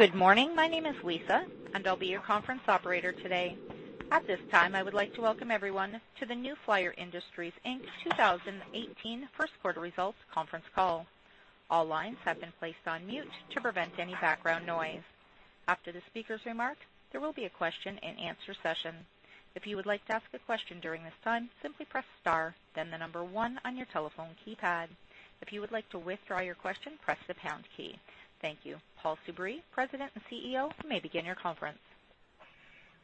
Good morning. My name is Lisa, and I'll be your conference operator today. At this time, I would like to welcome everyone to the New Flyer Industries Inc.'s 2018 First Quarter Results Conference Call. All lines have been placed on mute to prevent any background noise. After the speaker's remarks, there will be a question and answer session. If you would like to ask a question during this time, simply press star, then the number 1 on your telephone keypad. If you would like to withdraw your question, press the pound key. Thank you. Paul Soubry, President and CEO, you may begin your conference.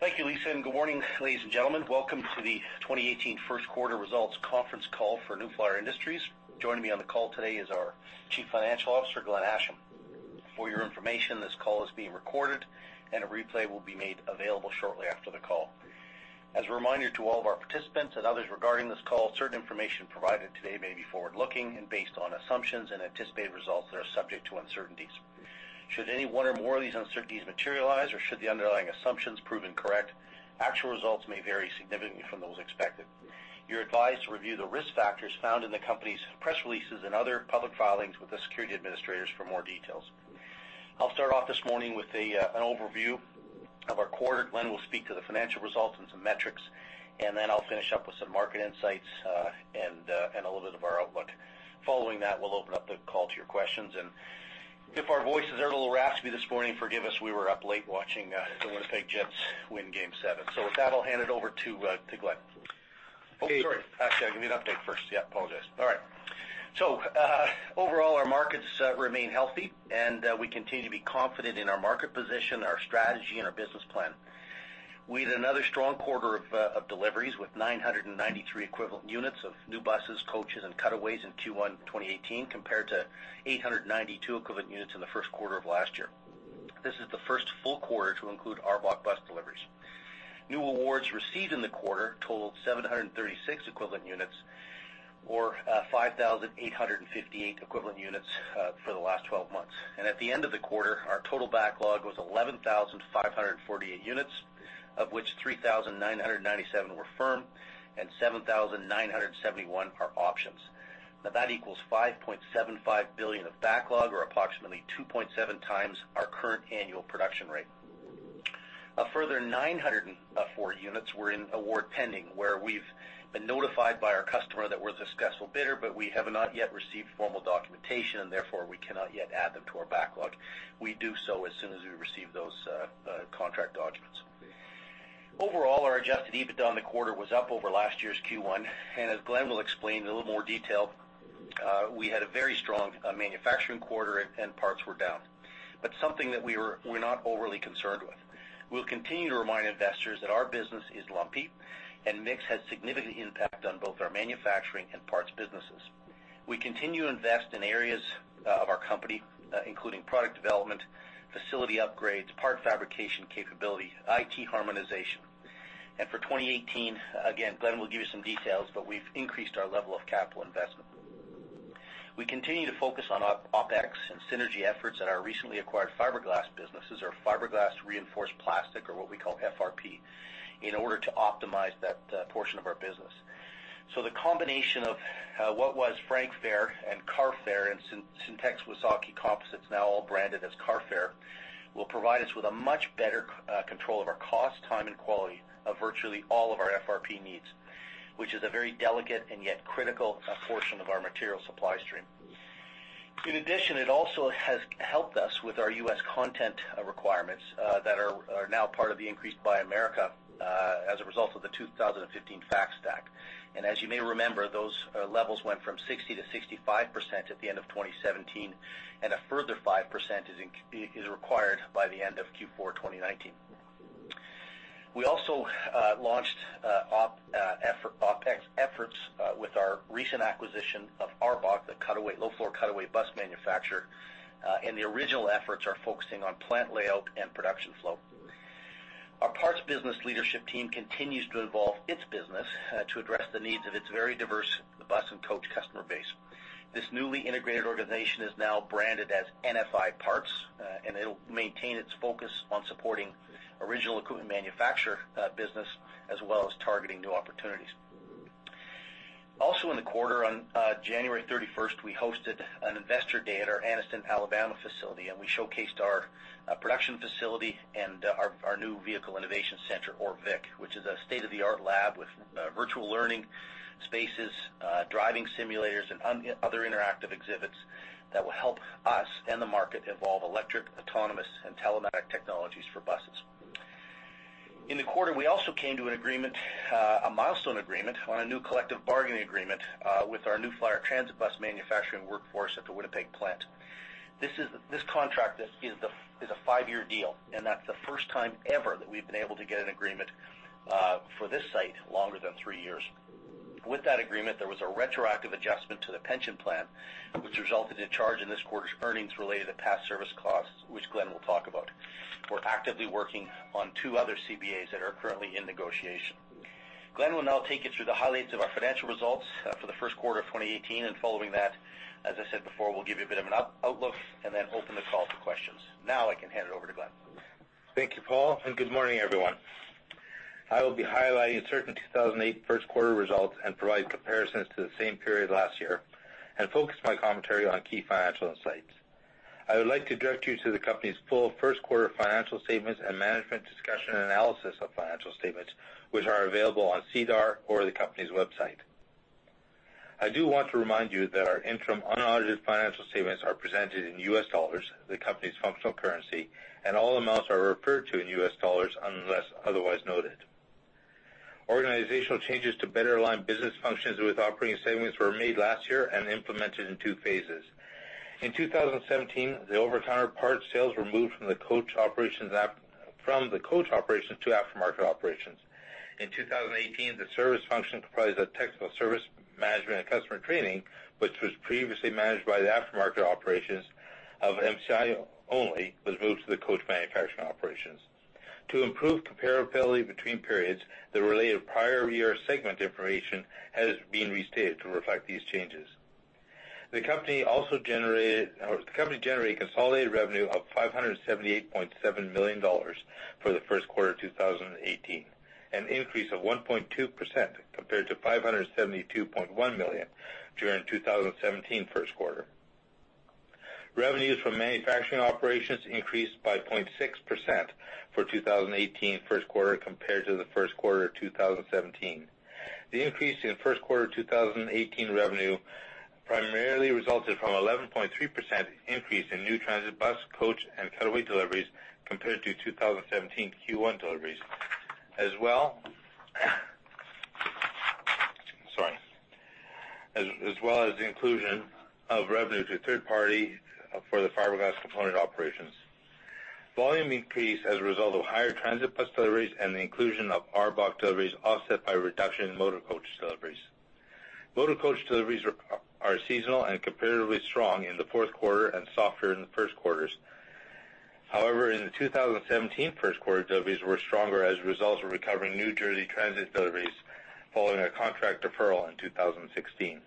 Thank you, Lisa. Good morning, ladies and gentlemen. Welcome to the 2018 first quarter results conference call for New Flyer Industries. Joining me on the call today is our Chief Financial Officer, Glenn Asham. For your information, this call is being recorded, and a replay will be made available shortly after the call. As a reminder to all of our participants and others regarding this call, certain information provided today may be forward-looking and based on assumptions and anticipated results that are subject to uncertainties. Should any one or more of these uncertainties materialize or should the underlying assumptions prove incorrect, actual results may vary significantly from those expected. You're advised to review the risk factors found in the company's press releases and other public filings with the security administrators for more details. I'll start off this morning with an overview of our quarter. Glenn will speak to the financial results and some metrics. Then I'll finish up with some market insights and a little bit of our outlook. Following that, we'll open up the call to your questions. If our voices are a little raspy this morning, forgive us, we were up late watching the Winnipeg Jets win Game 7. With that, I'll hand it over to Glenn. Oh, sorry. Actually, I'll give you an update first. Yeah, apologize. All right. Overall, our markets remain healthy, and we continue to be confident in our market position, our strategy, and our business plan. We had another strong quarter of deliveries with 993 equivalent units of new buses, coaches, and cutaways in Q1 2018 compared to 892 equivalent units in the first quarter of last year. This is the first full quarter to include ARBOC Bus deliveries. New awards received in the quarter totaled 736 equivalent units or 5,858 equivalent units for the last 12 months. At the end of the quarter, our total backlog was 11,548 units, of which 3,997 were firm and 7,971 are options. That equals 5.75 billion of backlog or approximately 2.7 times our current annual production rate. A further 904 units were in award pending, where we've been notified by our customer that we're the successful bidder, but we have not yet received formal documentation, and therefore, we cannot yet add them to our backlog. We do so as soon as we receive those contract documents. Overall, our adjusted EBITDA in the quarter was up over last year's Q1. As Glenn will explain in a little more detail, we had a very strong manufacturing quarter and parts were down. Something that we're not overly concerned with. We'll continue to remind investors that our business is lumpy and mix has significant impact on both our manufacturing and parts businesses. We continue to invest in areas of our company, including product development, facility upgrades, part fabrication capability, IT harmonization. For 2018, again, Glenn will give you some details, but we've increased our level of capital investment. We continue to focus on OpEx and synergy efforts in our recently acquired fiberglass businesses, our fiberglass-reinforced plastic or what we call FRP, in order to optimize that portion of our business. The combination of what was Frank Fair and Carfair and Sintex-Wausaukee Composites, now all branded as Carfair, will provide us with a much better control of our cost, time, and quality of virtually all of our FRP needs, which is a very delicate and yet critical portion of our material supply stream. In addition, it also has helped us with our U.S. content requirements that are now part of the increased Buy America as a result of the 2015 FAST Act. As you may remember, those levels went from 60% to 65% at the end of 2017, and a further 5% is required by the end of Q4 2019. We also launched OpEx efforts with our recent acquisition of ARBOC, the low-floor cutaway bus manufacturer. The original efforts are focusing on plant layout and production flow. Our parts business leadership team continues to evolve its business to address the needs of its very diverse bus and coach customer base. This newly integrated organization is now branded as NFI Parts. It'll maintain its focus on supporting original equipment manufacturer business as well as targeting new opportunities. Also in the quarter, on January 31st, we hosted an investor day at our Anniston, Alabama facility, and we showcased our production facility and our new Vehicle Innovation Center or VIC, which is a state-of-the-art lab with virtual learning spaces, driving simulators, and other interactive exhibits that will help us and the market evolve electric, autonomous, and telematic technologies for buses. In the quarter, we also came to an agreement, a milestone agreement, on a new collective bargaining agreement with our New Flyer transit bus manufacturing workforce at the Winnipeg plant. This contract is a 5-year deal, and that's the first time ever that we've been able to get an agreement for this site longer than 3 years. With that agreement, there was a retroactive adjustment to the pension plan, which resulted in a charge in this quarter's earnings related to past service costs, which Glenn will talk about. We're actively working on two other CBAs that are currently in negotiation. Glenn will now take you through the highlights of our financial results for the first quarter of 2018. Following that, as I said before, we'll give you a bit of an outlook and then open the call to questions. I can hand it over to Glenn. Thank you, Paul, and good morning, everyone. I will be highlighting certain 2018 first quarter results and provide comparisons to the same period last year and focus my commentary on key financial insights. I would like to direct you to the company's full first quarter financial statements and management discussion and analysis of financial statements, which are available on SEDAR or the company's website. I do want to remind you that our interim unaudited financial statements are presented in US dollars, the company's functional currency, and all amounts are referred to in US dollars unless otherwise noted. Organizational changes to better align business functions with operating segments were made last year and implemented in two phases. In 2017, the over-the-counter part sales were moved from the coach operations to aftermarket operations. In 2018, the service function comprised of technical service management and customer training, which was previously managed by the aftermarket operations of MCI only, was moved to the coach manufacturing operations. To improve comparability between periods, the related prior year segment information has been restated to reflect these changes. The company generated consolidated revenue of $578.7 million for the first quarter of 2018, an increase of 1.2% compared to $572.1 million during 2017 first quarter. Revenues from manufacturing operations increased by 0.6% for 2018 first quarter compared to the first quarter of 2017. The increase in first quarter 2018 revenue primarily resulted from 11.3% increase in new transit bus, coach and Federal-Aid deliveries compared to 2017 Q1 deliveries. As well as the inclusion of revenue to a third party for the fiberglass component operations. Volume increased as a result of higher transit bus deliveries and the inclusion of ARBOC deliveries offset by a reduction in motor coach deliveries. Motor coach deliveries are seasonal and comparatively strong in the fourth quarter and softer in the first quarters. However, in the 2017 first quarter, deliveries were stronger as a result of recovering New Jersey Transit deliveries following a contract deferral in 2016.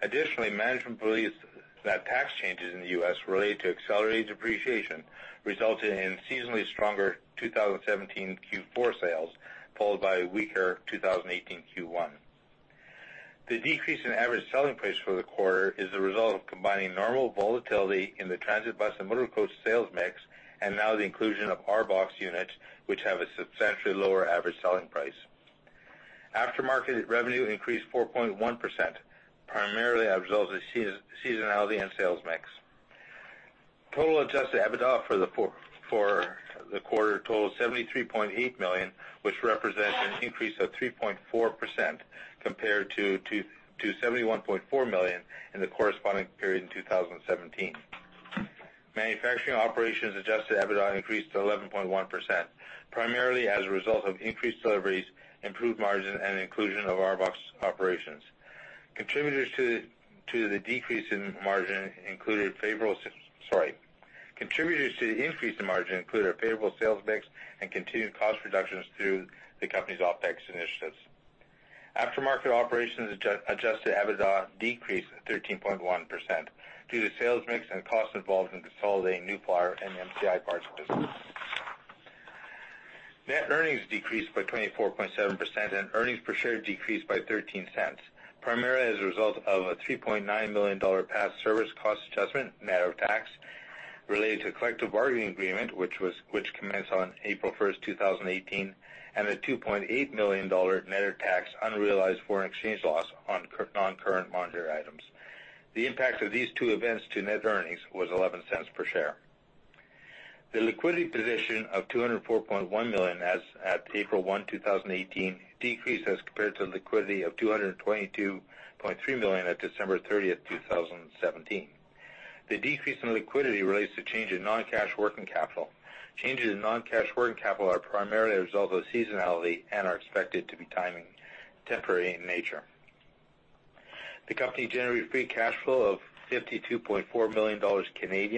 Additionally, management believes that tax changes in the U.S. related to accelerated depreciation resulted in seasonally stronger 2017 Q4 sales, followed by a weaker 2018 Q1. The decrease in average selling price for the quarter is the result of combining normal volatility in the transit bus and motor coach sales mix, and now the inclusion of ARBOC units, which have a substantially lower average selling price. Aftermarket revenue increased 4.1%, primarily a result of seasonality and sales mix. Total adjusted EBITDA for the quarter totaled 73.8 million, which represents an increase of 3.4% compared to 71.4 million in the corresponding period in 2017. Manufacturing operations adjusted EBITDA increased to 11.1%, primarily as a result of increased deliveries, improved margin, and inclusion of ARBOC operations. Contributors to the increase in margin included a favorable sales mix and continued cost reductions through the company's OpEx initiatives. Aftermarket operations adjusted EBITDA decreased 13.1% due to sales mix and costs involved in consolidating New Flyer and MCI Bus business. Net earnings decreased by 24.7% and earnings per share decreased by 0.13, primarily as a result of a CAD 3.9 million past service cost adjustment net of tax related to collective bargaining agreement, which commenced on April 1, 2018, and a 2.8 million dollar net of tax unrealized foreign exchange loss on non-current monetary items. The impact of these two events to net earnings was 0.11 per share. The liquidity position of 204.1 million as at April 1, 2018, decreased as compared to liquidity of 222.3 million at December 30, 2017. The decrease in liquidity relates to change in non-cash working capital. Changes in non-cash working capital are primarily a result of seasonality and are expected to be temporary in nature. The company generated free cash flow of 52.4 million Canadian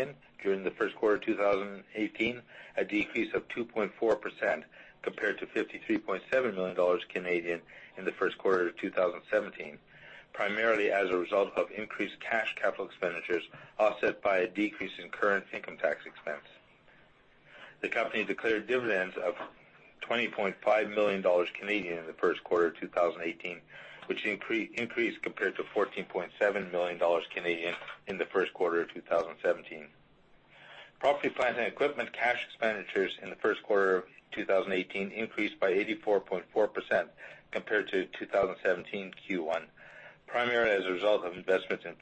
dollars during the first quarter 2018, a decrease of 2.4% compared to 53.7 million Canadian dollars in the first quarter of 2017, primarily as a result of increased cash capital expenditures, offset by a decrease in current income tax expense. The company declared dividends of 20.5 million Canadian dollars in the first quarter of 2018, which increased compared to 14.7 million Canadian dollars in the first quarter of 2017. Property, plant, and equipment cash expenditures in the first quarter of 2018 increased by 84.4% compared to 2017 Q1, primarily as a result of investments in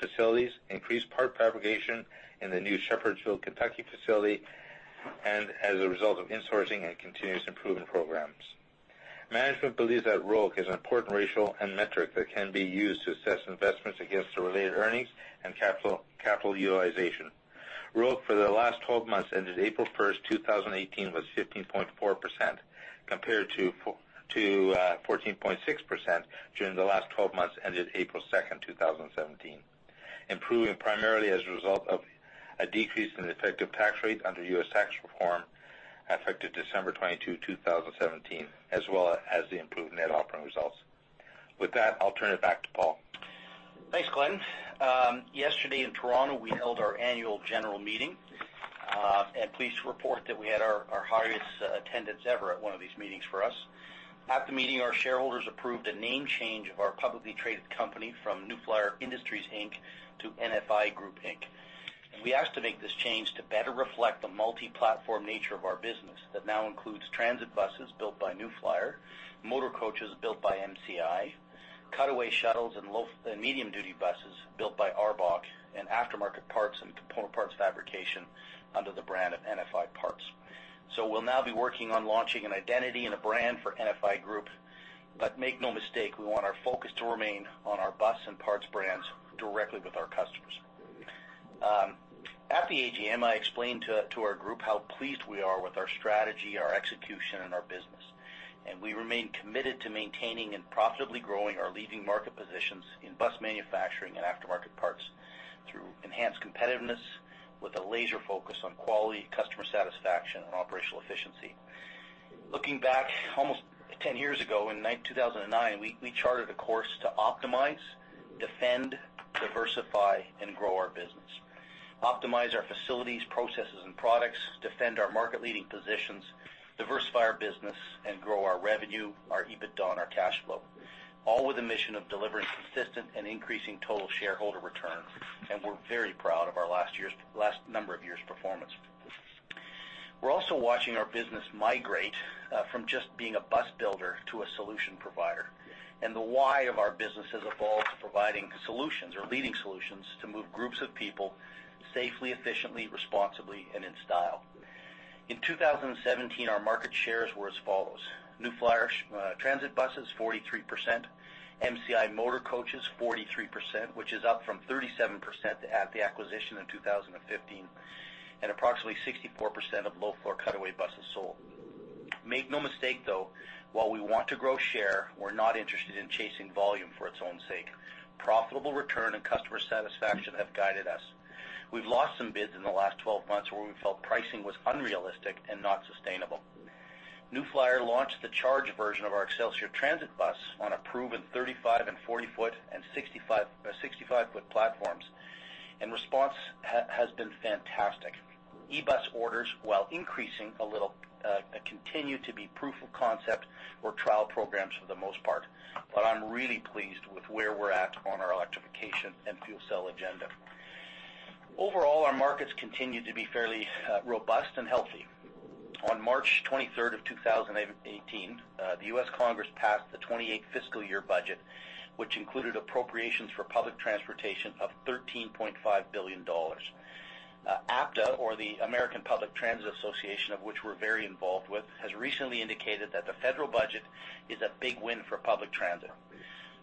facilities, increased part fabrication in the new Shepherdsville, Kentucky facility, and as a result of insourcing and continuous improvement programs. Management believes that ROIC is an important ratio and metric that can be used to assess investments against the related earnings and capital utilization. ROIC for the last 12 months ended April 1, 2018, was 15.4% compared to 14.6% during the last 12 months ended April 2, 2017. Improving primarily as a result of a decrease in effective tax rate under U.S. tax reform effective December 22, 2017, as well as the improved net operating results. I'll turn it back to Paul. Thanks, Glenn. Yesterday in Toronto, we held our annual general meeting, pleased to report that we had our highest attendance ever at one of these meetings for us. At the meeting, our shareholders approved a name change of our publicly traded company from New Flyer Industries Inc. to NFI Group Inc. We asked to make this change to better reflect the multi-platform nature of our business that now includes transit buses built by New Flyer, motor coaches built by MCI, cutaway shuttles and medium-duty buses built by ARBOC, and aftermarket parts and component parts fabrication under the brand of NFI Parts. We'll now be working on launching an identity and a brand for NFI Group. Make no mistake, we want our focus to remain on our bus and parts brands directly with our customers. At the AGM, I explained to our group how pleased we are with our strategy, our execution, and our business. We remain committed to maintaining and profitably growing our leading market positions in bus manufacturing and aftermarket parts through enhanced competitiveness with a laser focus on quality, customer satisfaction, and operational efficiency. Looking back almost 10 years ago, in 2009, we charted a course to optimize, defend, diversify, and grow our business. Optimize our facilities, processes, and products, defend our market-leading positions, diversify our business, and grow our revenue, our EBITDA, and our cash flow, all with a mission of delivering consistent and increasing total shareholder return. We're very proud of our last number of years' performance. We're also watching our business migrate from just being a bus builder to a solution provider. The why of our business has evolved to providing solutions or leading solutions to move groups of people safely, efficiently, responsibly, and in style. In 2017, our market shares were as follows: New Flyer transit buses, 43%; MCI motor coaches, 43%, which is up from 37% at the acquisition in 2015, and approximately 64% of low-floor cutaway buses sold. Make no mistake, though, while we want to grow share, we're not interested in chasing volume for its own sake. Profitable return and customer satisfaction have guided us. We've lost some bids in the last 12 months where we felt pricing was unrealistic and not sustainable. New Flyer launched the charge version of our Xcelsior transit bus on a proven 35 and 40 foot and 65-foot platforms, and response has been fantastic. E-bus orders, while increasing a little, continue to be proof of concept or trial programs for the most part. I'm really pleased with where we're at on our electrification and fuel cell agenda. Overall, our markets continue to be fairly robust and healthy. On March 23rd, 2018, the U.S. Congress passed the 28th fiscal year budget, which included appropriations for public transportation of 13.5 billion dollars. APTA, or the American Public Transportation Association, of which we're very involved with, has recently indicated that the federal budget is a big win for public transit.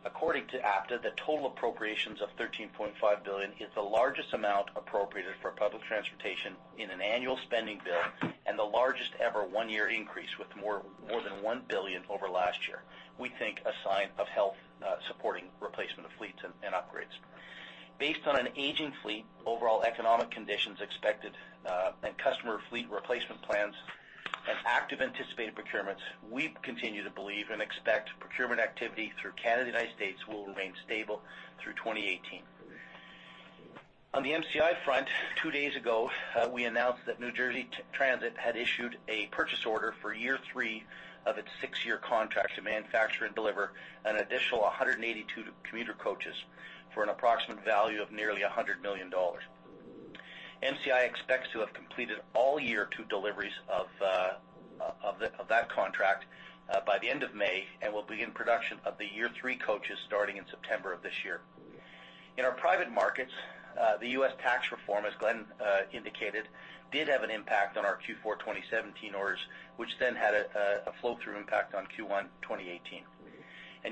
According to APTA, the total appropriations of CAD 13.5 billion is the largest amount appropriated for public transportation in an annual spending bill and the largest-ever one-year increase, with more than 1 billion over last year. We think a sign of health supporting replacement of fleets and upgrades. Based on an aging fleet, overall economic conditions expected, and customer fleet replacement plans and active anticipated procurements, we continue to believe and expect procurement activity through Canada and the U.S. will remain stable through 2018. On the MCI front, two days ago, we announced that New Jersey Transit had issued a purchase order for year three of its six-year contract to manufacture and deliver an additional 182 commuter coaches for an approximate value of nearly 100 million dollars. MCI expects to have completed all year two deliveries of that contract by the end of May and will begin production of the year three coaches starting in September of this year. In our private markets, the U.S. tax reform, as Glenn indicated, did have an an impact on our Q4 2017 orders, which then had a flow-through impact on Q1 2018.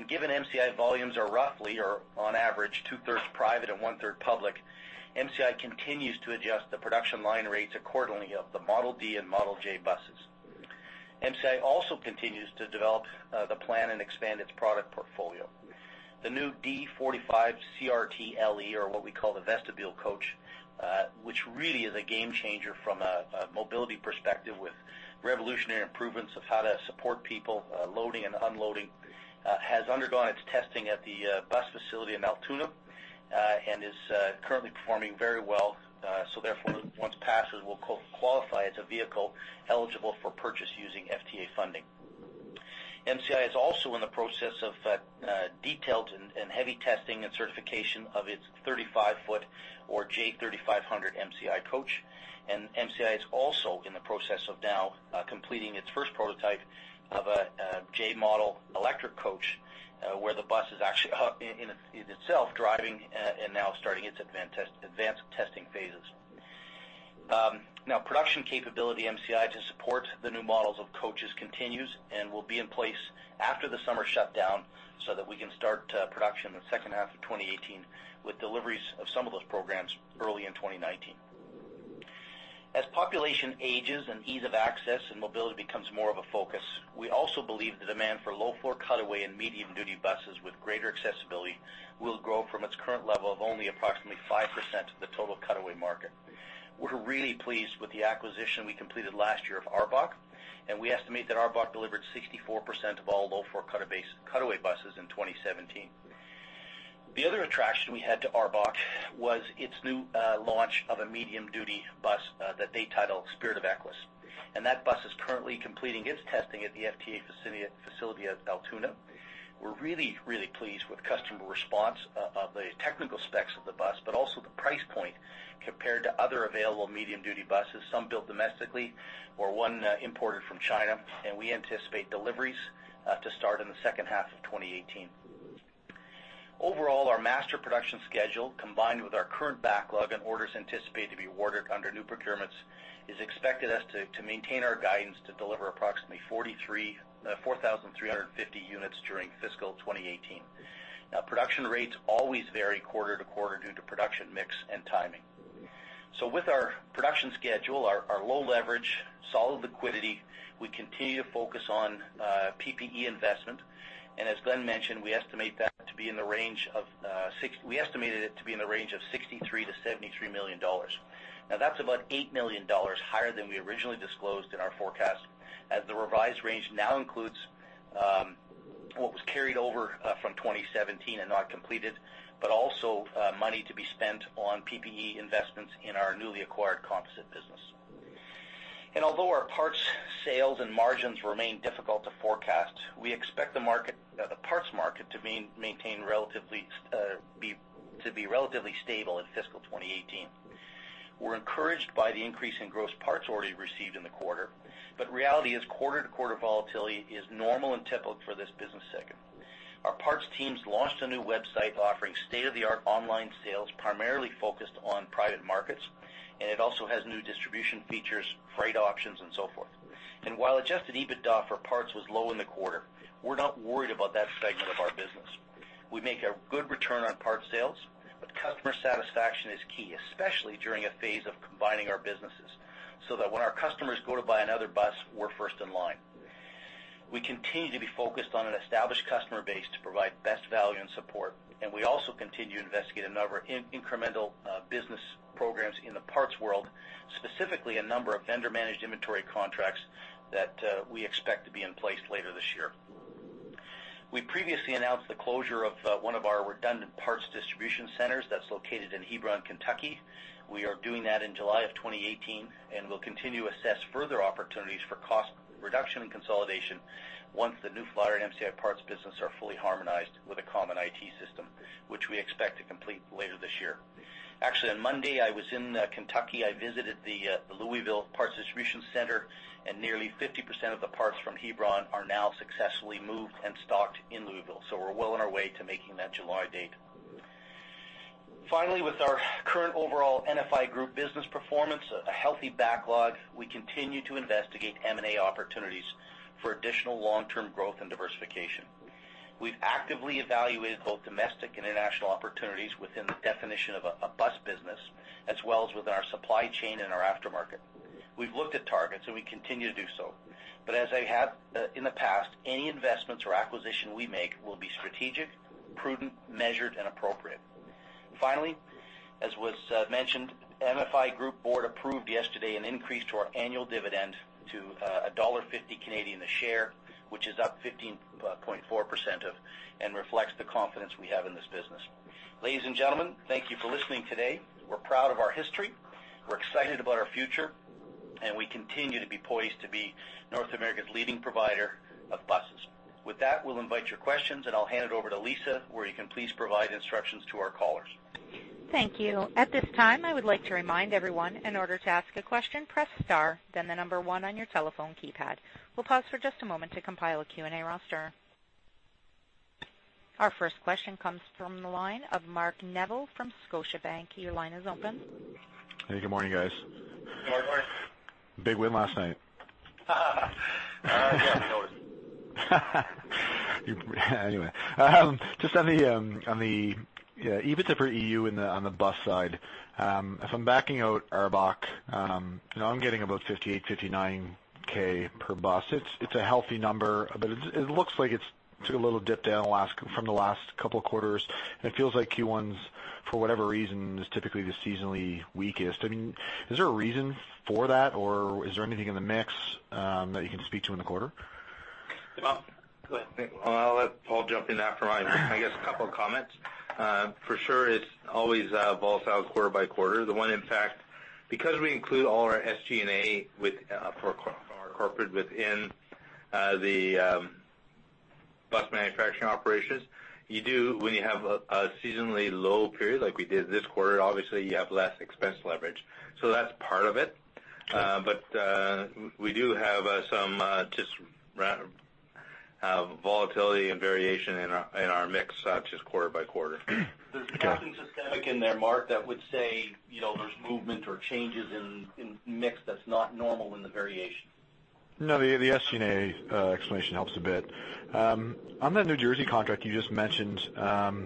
Given MCI volumes are roughly or on average two-thirds private and one-third public, MCI continues to adjust the production line rates accordingly of the Model D and Model J buses. MCI also continues to develop the plan and expand its product portfolio. The new D45 CRT LE, or what we call the vestibule coach, which really is a game changer from a mobility perspective with revolutionary improvements of how to support people loading and unloading, has undergone its testing at the bus facility in Altoona, and is currently performing very well, therefore, once passed, will qualify as a vehicle eligible for purchase using FTA funding. MCI is also in the process of detailed and heavy testing and certification of its 35-foot or J3500 MCI coach. MCI is also in the process of completing its first prototype of a J model electric coach, where the bus is actually in itself driving and starting its advanced testing phases. Production capability at MCI to support the new models of coaches continues and will be in place after the summer shutdown so that we can start production in the second half of 2018 with deliveries of some of those programs early in 2019. As population ages and ease of access and mobility becomes more of a focus, we also believe the demand for low-floor cutaway and medium-duty buses with greater accessibility will grow from its current level of only approximately 5% of the total cutaway market. We're really pleased with the acquisition we completed last year of ARBOC, and we estimate that ARBOC delivered 64% of all low-floor cutaway buses in 2017. The other attraction we had to ARBOC was its new launch of a medium-duty bus that they title Spirit of Freedom. That bus is currently completing its testing at the FTA facility at Altoona. We're really, really pleased with customer response of the technical specs of the bus, but also the price point compared to other available medium-duty buses, some built domestically or one imported from China, and we anticipate deliveries to start in the second half of 2018. Our master production schedule, combined with our current backlog and orders anticipated to be awarded under new procurements, is expected us to maintain our guidance to deliver approximately 4,350 units during fiscal 2018. Production rates always vary quarter to quarter due to production mix and timing. With our production schedule, our low leverage, solid liquidity, we continue to focus on PPE investment. As Glenn mentioned, we estimated it to be in the range of 63 million-73 million dollars. That's about 8 million dollars higher than we originally disclosed in our forecast, as the revised range now includes what was carried over from 2017 and not completed, but also money to be spent on PPE investments in our newly acquired composite business. Although our parts sales and margins remain difficult to forecast, we expect the parts market to be relatively stable in fiscal 2018. We're encouraged by the increase in gross parts already received in the quarter, reality is quarter-to-quarter volatility is normal and typical for this business segment. Our parts teams launched a new website offering state-of-the-art online sales, primarily focused on private markets. It also has new distribution features, freight options, and so forth. While adjusted EBITDA for parts was low in the quarter, we're not worried about that segment of our business. We make a good return on parts sales, but customer satisfaction is key, especially during a phase of combining our businesses, so that when our customers go to buy another bus, we're first in line. We continue to be focused on an established customer base to provide best value and support. We also continue to investigate a number of incremental business programs in the parts world, specifically a number of vendor-managed inventory contracts that we expect to be in place later this year. We previously announced the closure of one of our redundant parts distribution centers that's located in Hebron, Kentucky. We are doing that in July of 2018. We'll continue to assess further opportunities for cost reduction and consolidation once the New Flyer and MCI parts business are fully harmonized with a common IT system, which we expect to complete later this year. Actually, on Monday, I was in Kentucky. I visited the Louisville parts distribution center. Nearly 50% of the parts from Hebron are now successfully moved and stocked in Louisville. We're well on our way to making that July date. Finally, with our current overall NFI Group business performance, a healthy backlog, we continue to investigate M&A opportunities for additional long-term growth and diversification. We've actively evaluated both domestic and international opportunities within the definition of a bus business, as well as with our supply chain and our aftermarket. We've looked at targets. We continue to do so. As I have in the past, any investments or acquisition we make will be strategic, prudent, measured, and appropriate. Finally, as was mentioned, NFI Group board approved yesterday an increase to our annual dividend to 1.50 Canadian dollars a share, which is up 15.4%. Reflects the confidence we have in this business. Ladies and gentlemen, thank you for listening today. We're proud of our history. We're excited about our future. We continue to be poised to be North America's leading provider of buses. With that, we'll invite your questions. I'll hand it over to Lisa, where you can please provide instructions to our callers. Thank you. At this time, I would like to remind everyone, in order to ask a question, press star, then the number one on your telephone keypad. We'll pause for just a moment to compile a Q&A roster. Our first question comes from the line of Mark Neville from Scotiabank. Your line is open. Hey, good morning, guys. Good morning. Big win last night. Yeah, we noticed. Just on the EBITDA for EU on the bus side, if I'm backing out ARBOC, I'm getting about 58 thousand, 59 thousand per bus. It's a healthy number, but it looks like it took a little dip down from the last couple of quarters, and it feels like Q1's, for whatever reason, is typically the seasonally weakest. Is there a reason for that, or is there anything in the mix that you can speak to in the quarter? Well, I'll let Paul jump in after I guess a couple of comments. For sure, it's always volatile quarter by quarter. The one impact, because we include all our SG&A for our corporate within the bus manufacturing operations, when you have a seasonally low period like we did this quarter, obviously, you have less expense leverage. That's part of it. We do have some volatility and variation in our mix, just quarter by quarter. Okay. There's nothing systemic in there, Mark, that would say there's movement or changes in mix that's not normal in the variation. No, the SG&A explanation helps a bit. On that New Jersey contract you just mentioned, again,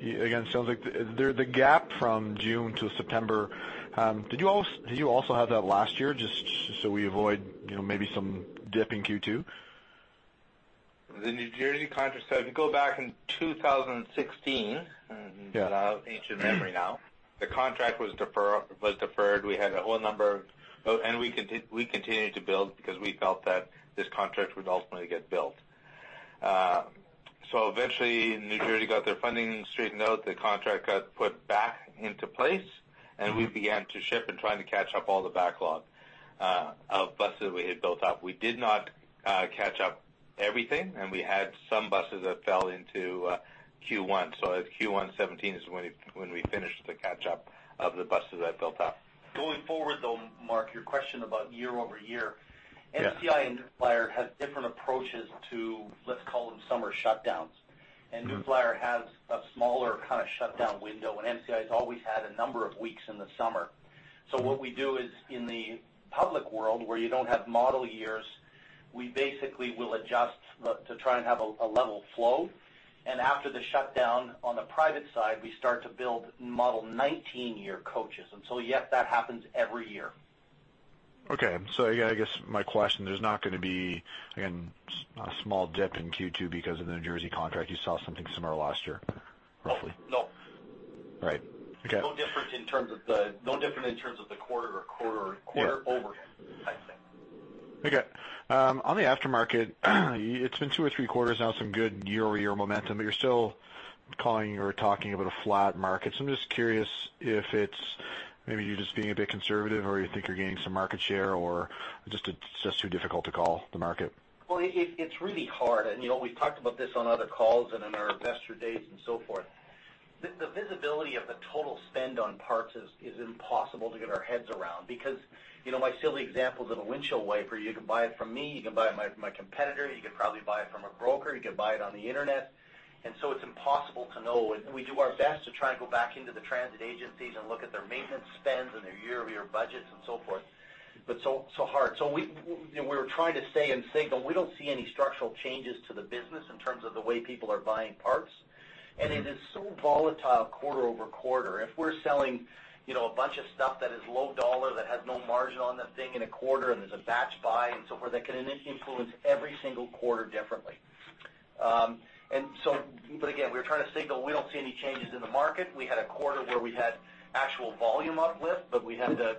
it sounds like the gap from June to September, did you also have that last year, just so we avoid maybe some dip in Q2? The New Jersey contract said, if you go back in 2016- Yeah ancient memory now, the contract was deferred. We had a whole number of We continued to build because we felt that this contract would ultimately get built. Eventually, New Jersey got their funding straightened out, the contract got put back into place, and we began to ship and trying to catch up all the backlog of buses we had built up. We did not catch up everything, and we had some buses that fell into Q1. Q1 2017 is when we finished the catch-up of the buses I had built up. Going forward, though, Mark, your question about year-over-year Yeah MCI and New Flyer have different approaches to, let's call them summer shutdowns. New Flyer has a smaller kind of shutdown window, and MCI's always had a number of weeks in the summer. What we do is, in the public world, where you don't have model years, we basically will adjust to try and have a level flow. After the shutdown on the private side, we start to build model 2019 year coaches. Yes, that happens every year. Okay. I guess my question, there's not going to be, again, a small dip in Q2 because of the New Jersey contract. You saw something similar last year, roughly. No. Right. Okay. No different in terms of the quarter-over-quarter, I'd say. Okay. On the aftermarket, it's been two or three quarters now, some good year-over-year momentum, but you're still calling or talking about a flat market. I'm just curious if it's maybe you're just being a bit conservative or you think you're gaining some market share or just it's just too difficult to call the market. Well, it's really hard, and we've talked about this on other calls and in our Investor Days and so forth. The visibility of the total spend on parts is impossible to get our heads around because my silly example of a windshield wiper, you can buy it from me, you can buy it from my competitor, you could probably buy it from a broker, you could buy it on the internet. It's impossible to know. We do our best to try and go back into the transit agencies and look at their maintenance spends and their year-over-year budgets and so forth. So hard. We were trying to say in signal, we don't see any structural changes to the business in terms of the way people are buying parts. It is so volatile quarter-over-quarter. If we're selling a bunch of stuff that is low dollar, that has no margin on the thing in a quarter, there's a batch buy and so forth, that can influence every single quarter differently. Again, we're trying to signal we don't see any changes in the market. We had a quarter where we had actual volume uplift, we had a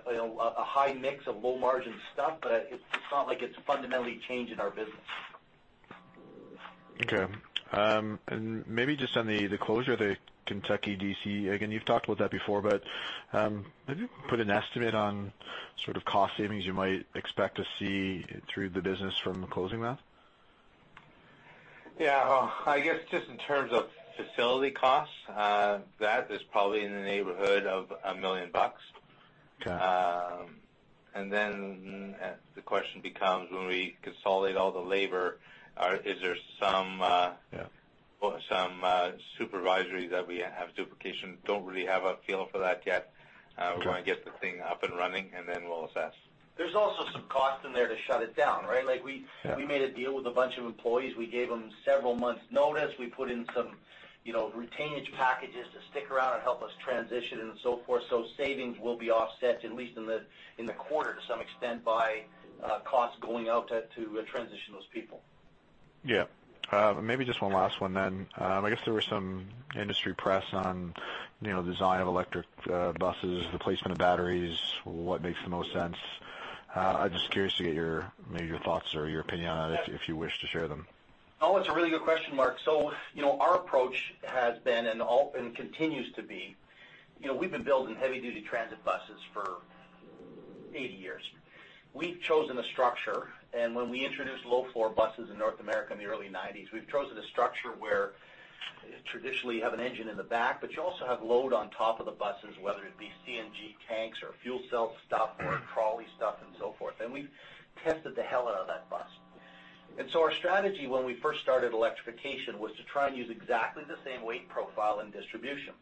high mix of low margin stuff, but it's not like it's fundamentally changing our business. Okay. Maybe just on the closure of the Kentucky D.C., again, you've talked about that before, have you put an estimate on cost savings you might expect to see through the business from closing that? Yeah. I guess just in terms of facility costs, that is probably in the neighborhood of 1 million bucks. Okay. The question becomes when we consolidate all the labor, is there some- Yeah supervisory that we have duplication. Don't really have a feel for that yet. Okay. We want to get the thing up and running, and then we'll assess. There's also some cost in there to shut it down, right? Yeah. We made a deal with a bunch of employees. We gave them several months notice. We put in some retainage packages to stick around and help us transition and so forth. Savings will be offset, at least in the quarter to some extent by costs going out to transition those people. Yeah. Maybe just one last one then. I guess there was some industry press on the design of electric buses, the placement of batteries, what makes the most sense. I'm just curious to get maybe your thoughts or your opinion on it if you wish to share them. It's a really good question, Mark. Our approach has been and continues to be, we've been building heavy duty transit buses for 80 years. We've chosen a structure, and when we introduced low-floor buses in North America in the early '90s, we've chosen a structure where traditionally you have an engine in the back, but you also have load on top of the buses, whether it be CNG tanks or fuel cell stuff or trolley stuff and so forth. We've tested the hell out of that bus. Our strategy when we first started electrification was to try and use exactly the same weight profile and distribution.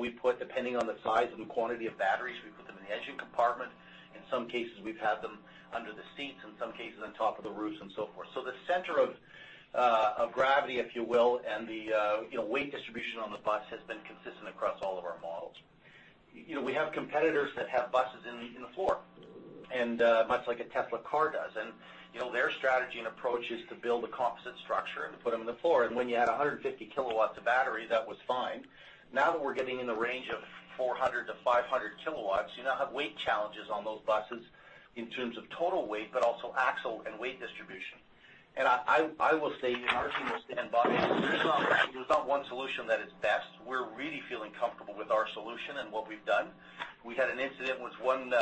We put, depending on the size and quantity of batteries, we put them in the engine compartment. In some cases, we've had them under the seats, in some cases on top of the roofs and so forth. The center of gravity, if you will, and the weight distribution on the bus has been consistent across all of our models. We have competitors that have buses in the floor, much like a Tesla car does. Their strategy and approach is to build a composite structure and put them in the floor. When you had 150 kilowatts of battery, that was fine. Now that we're getting in the range of 400 to 500 kilowatts, you now have weight challenges on those buses in terms of total weight, but also axle and weight distribution. I will say, and our team will stand by, there's not one solution that is best. We're really feeling comfortable with our solution and what we've done. We had an incident with one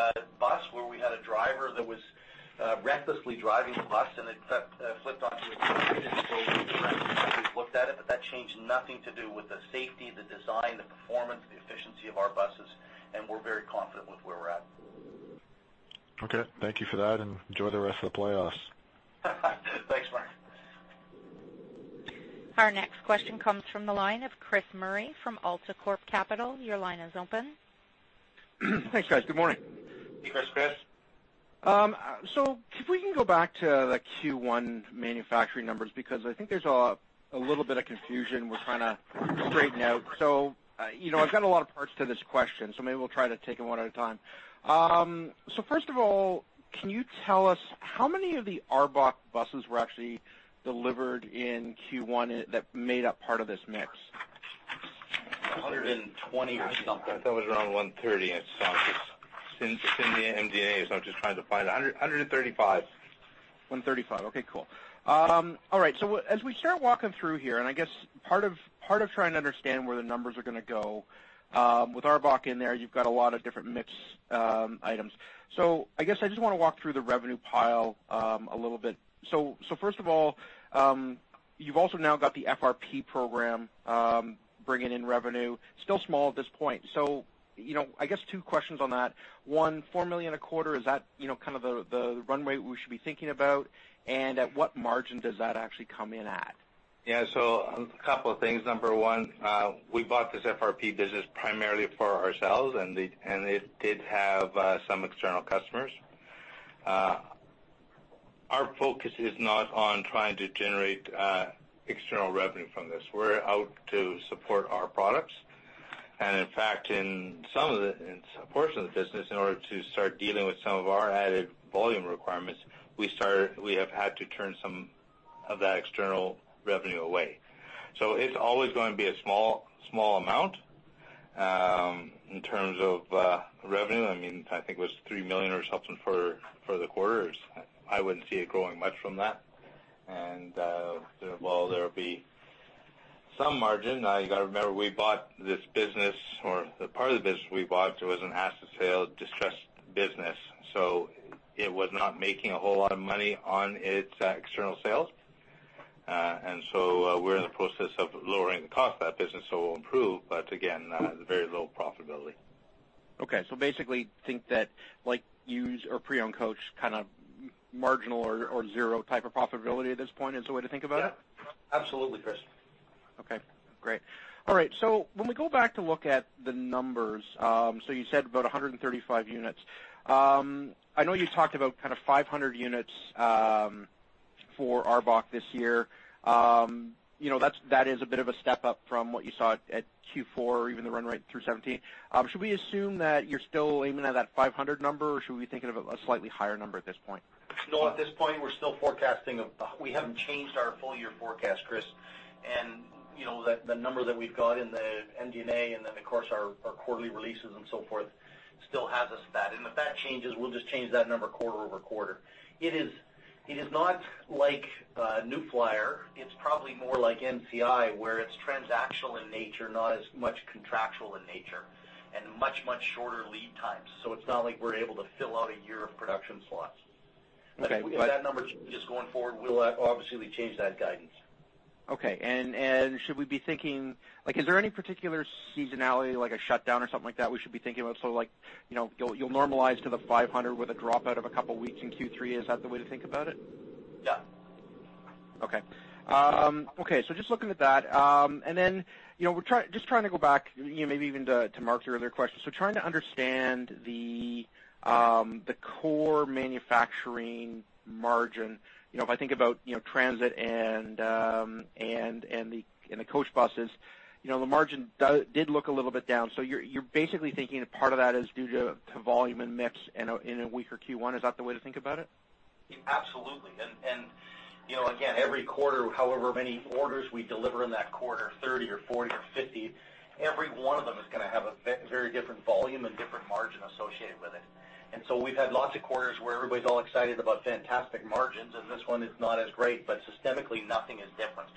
bus where we had a driver that was recklessly driving the bus, and it flipped onto its side. We looked at it, but that changed nothing to do with the safety, the design, the performance, the efficiency of our buses, and we're very confident with where we're at. Okay. Thank you for that, and enjoy the rest of the playoffs. Thanks, Mark. Our next question comes from the line of Chris Murray from AltaCorp Capital. Your line is open. Thanks, guys. Good morning. Hey, Chris. If we can go back to the Q1 manufacturing numbers, because I think there's a little bit of confusion we're trying to straighten out. I've got a lot of parts to this question, maybe we'll try to take them one at a time. First of all, can you tell us how many of the ARBOC buses were actually delivered in Q1 that made up part of this mix? 120 or something. I thought it was around 130. It's not just in the MD&A, I'm just trying to find it. 135. 135. Okay, cool. All right. As we start walking through here, I guess part of trying to understand where the numbers are going to go, with ARBOC in there, you've got a lot of different mix items. I guess I just want to walk through the revenue pile a little bit. First of all, you've also now got the FRP program bringing in revenue. Still small at this point. I guess two questions on that. One, 4 million a quarter, is that kind of the runway we should be thinking about? At what margin does that actually come in at? Yeah. A couple of things. Number one, we bought this FRP business primarily for ourselves, and it did have some external customers. Our focus is not on trying to generate external revenue from this. We're out to support our products. In fact, in a portion of the business, in order to start dealing with some of our added volume requirements, we have had to turn some of that external revenue away. It's always going to be a small amount, in terms of revenue. I think it was 3 million or something for the quarter. I wouldn't see it growing much from that. While there'll be some margin, now you got to remember, we bought this business, or the part of the business we bought, it was an asset sale distressed business. It was not making a whole lot of money on its external sales. We're in the process of lowering the cost of that business, it will improve, but again, very low profitability. Okay. Basically, think that used or pre-owned coach, kind of marginal or zero type of profitability at this point is the way to think about it? Yeah. Absolutely, Chris. Okay, great. All right. When we go back to look at the numbers, you said about 135 units. I know you talked about kind of 500 units for ARBOC this year. That is a bit of a step up from what you saw at Q4 or even the run rate through 2017. Should we assume that you're still aiming at that 500 number or should we be thinking of a slightly higher number at this point? No, at this point, we haven't changed our full-year forecast, Chris. The number that we've got in the MD&A, of course, our quarterly releases and so forth still has us at that. If that changes, we'll just change that number quarter-over-quarter. It is not like New Flyer. It's probably more like MCI, where it's transactional in nature, not as much contractual in nature, and much, much shorter lead times. It's not like we're able to fill out a year of production slots. Okay. If that number changes going forward, we'll obviously change that guidance. Okay. Is there any particular seasonality, like a shutdown or something like that we should be thinking about? You'll normalize to the 500 with a dropout of a couple of weeks in Q3. Is that the way to think about it? Yeah. Just looking at that. Then, just trying to go back, maybe even to Mark's earlier question. Trying to understand the core manufacturing margin. If I think about transit and the coach buses, the margin did look a little bit down. You're basically thinking that part of that is due to volume and mix in a weaker Q1. Is that the way to think about it? Absolutely. Again, every quarter, however many orders we deliver in that quarter, 30 or 40 or 50, every one of them is going to have a very different volume and different margin associated with it. We've had lots of quarters where everybody's all excited about fantastic margins, and this one is not as great, but systemically, nothing is different.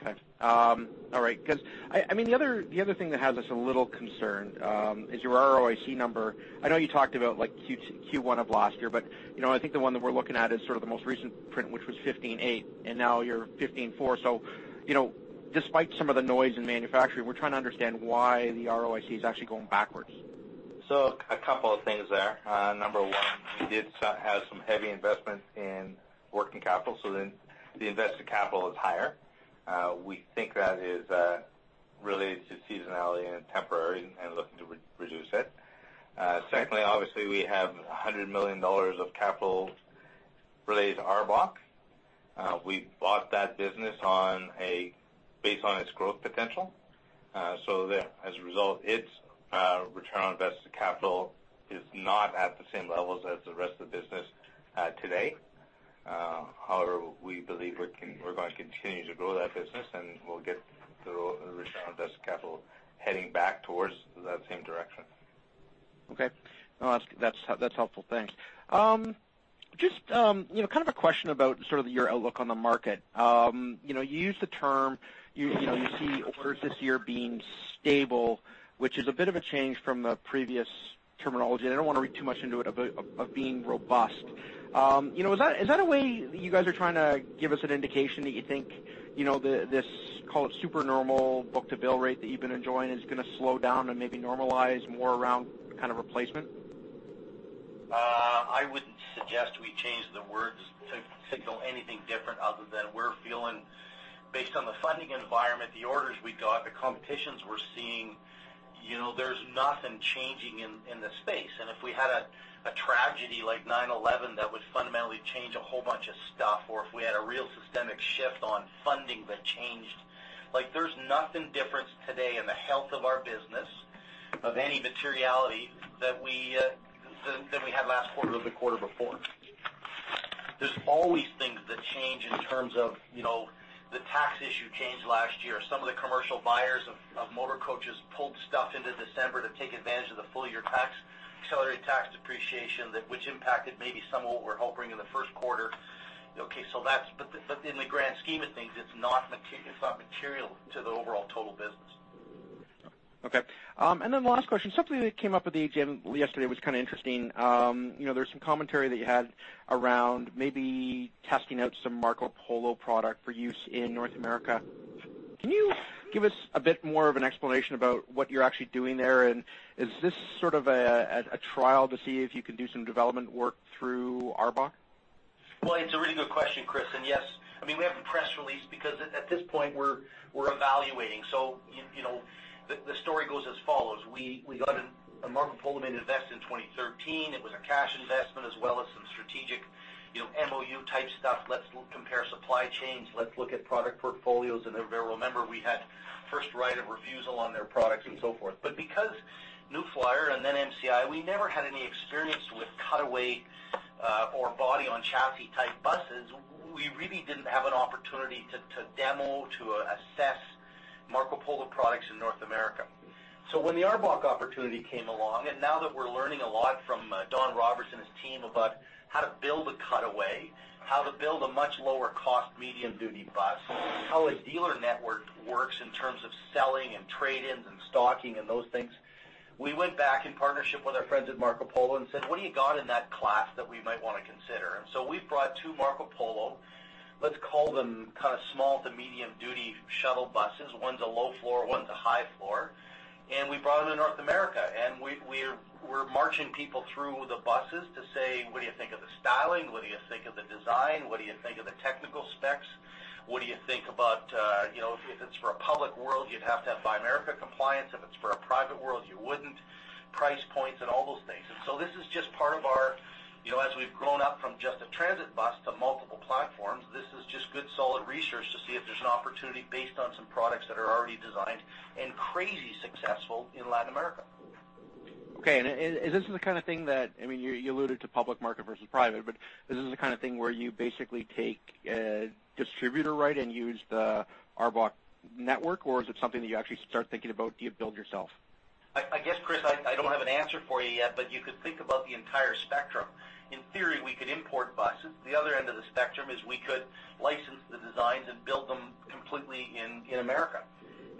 Okay. All right. The other thing that has us a little concerned is your ROIC number. I know you talked about Q1 of last year, but I think the one that we're looking at is sort of the most recent print, which was 15.8, and now you're 15.4. Despite some of the noise in manufacturing, we're trying to understand why the ROIC is actually going backwards. A couple of things there. Number one, we did have some heavy investment in working capital, then the invested capital is higher. We think that is related to seasonality and temporary and looking to reduce it. Secondly, obviously, we have 100 million dollars of capital related to ARBOC. We bought that business based on its growth potential. There, as a result, its return on invested capital is not at the same levels as the rest of the business today. However, we believe we're going to continue to grow that business and we'll get the return on invested capital heading back towards that same direction. Okay. No, that's helpful. Thanks. Just a question about your outlook on the market. You used the term, you see orders this year being stable, which is a bit of a change from the previous terminology, and I don't want to read too much into it, of being robust. Is that a way that you guys are trying to give us an indication that you think this, call it supernormal book-to-bill rate that you've been enjoying is going to slow down and maybe normalize more around kind of replacement? I wouldn't suggest we changed the words to signal anything different other than we're feeling Based on the funding environment, the orders we got, the competitions we're seeing, there's nothing changing in the space. If we had a tragedy like 9/11 that would fundamentally change a whole bunch of stuff, or if we had a real systemic shift on funding that changed, there's nothing different today in the health of our business of any materiality than we had last quarter or the quarter before. There's always things that change in terms of the tax issue change last year. Some of the commercial buyers of motor coaches pulled stuff into December to take advantage of the full-year tax, accelerated tax depreciation, which impacted maybe some of what we're hoping in the first quarter. In the grand scheme of things, it's not material to the overall total business. Okay. The last question, something that came up at the AGM yesterday was kind of interesting. There's some commentary that you had around maybe testing out some Marcopolo product for use in North America. Can you give us a bit more of an explanation about what you're actually doing there? Is this sort of a trial to see if you can do some development work through ARBOC? Well, it's a really good question, Chris. Yes, we have a press release because at this point, we're evaluating. The story goes as follows. We got a Marcopolo made an investment in 2013. It was a cash investment as well as some strategic MOU type stuff. Let's compare supply chains. Let's look at product portfolios. Remember, we had first right of refusal on their products and so forth. Because New Flyer and then MCI, we never had any experience with cutaway or body on chassis type buses, we really didn't have an opportunity to demo, to assess Marcopolo products in North America. When the ARBOC opportunity came along, and now that we're learning a lot from Don Roberts and his team about how to build a cutaway, how to build a much lower cost medium duty bus, how a dealer network works in terms of selling and trade-ins and stocking and those things. We went back in partnership with our friends at Marcopolo and said, "What do you got in that class that we might want to consider?" We've brought two Marcopolo, let's call them kind of small to medium duty shuttle buses. One's a low floor, one's a high floor. We brought them to North America. We're marching people through the buses to say, what do you think of the styling? What do you think of the design? What do you think of the technical specs? What do you think about if it's for a public world, you'd have to have Buy America compliance, if it's for a private world, you wouldn't. Price points and all those things. This is just part of our, as we've grown up from just a transit bus to multiple platforms, this is just good solid research to see if there's an opportunity based on some products that are already designed and crazy successful in Latin America. Okay. Is this the kind of thing that, you alluded to public market versus private, is this the kind of thing where you basically take a distributor, right, and use the ARBOC network, or is it something that you actually start thinking about do you build yourself? I guess, Chris, I don't have an answer for you yet, but you could think about the entire spectrum. In theory, we could import buses. The other end of the spectrum is we could license the designs and build them completely in the U.S.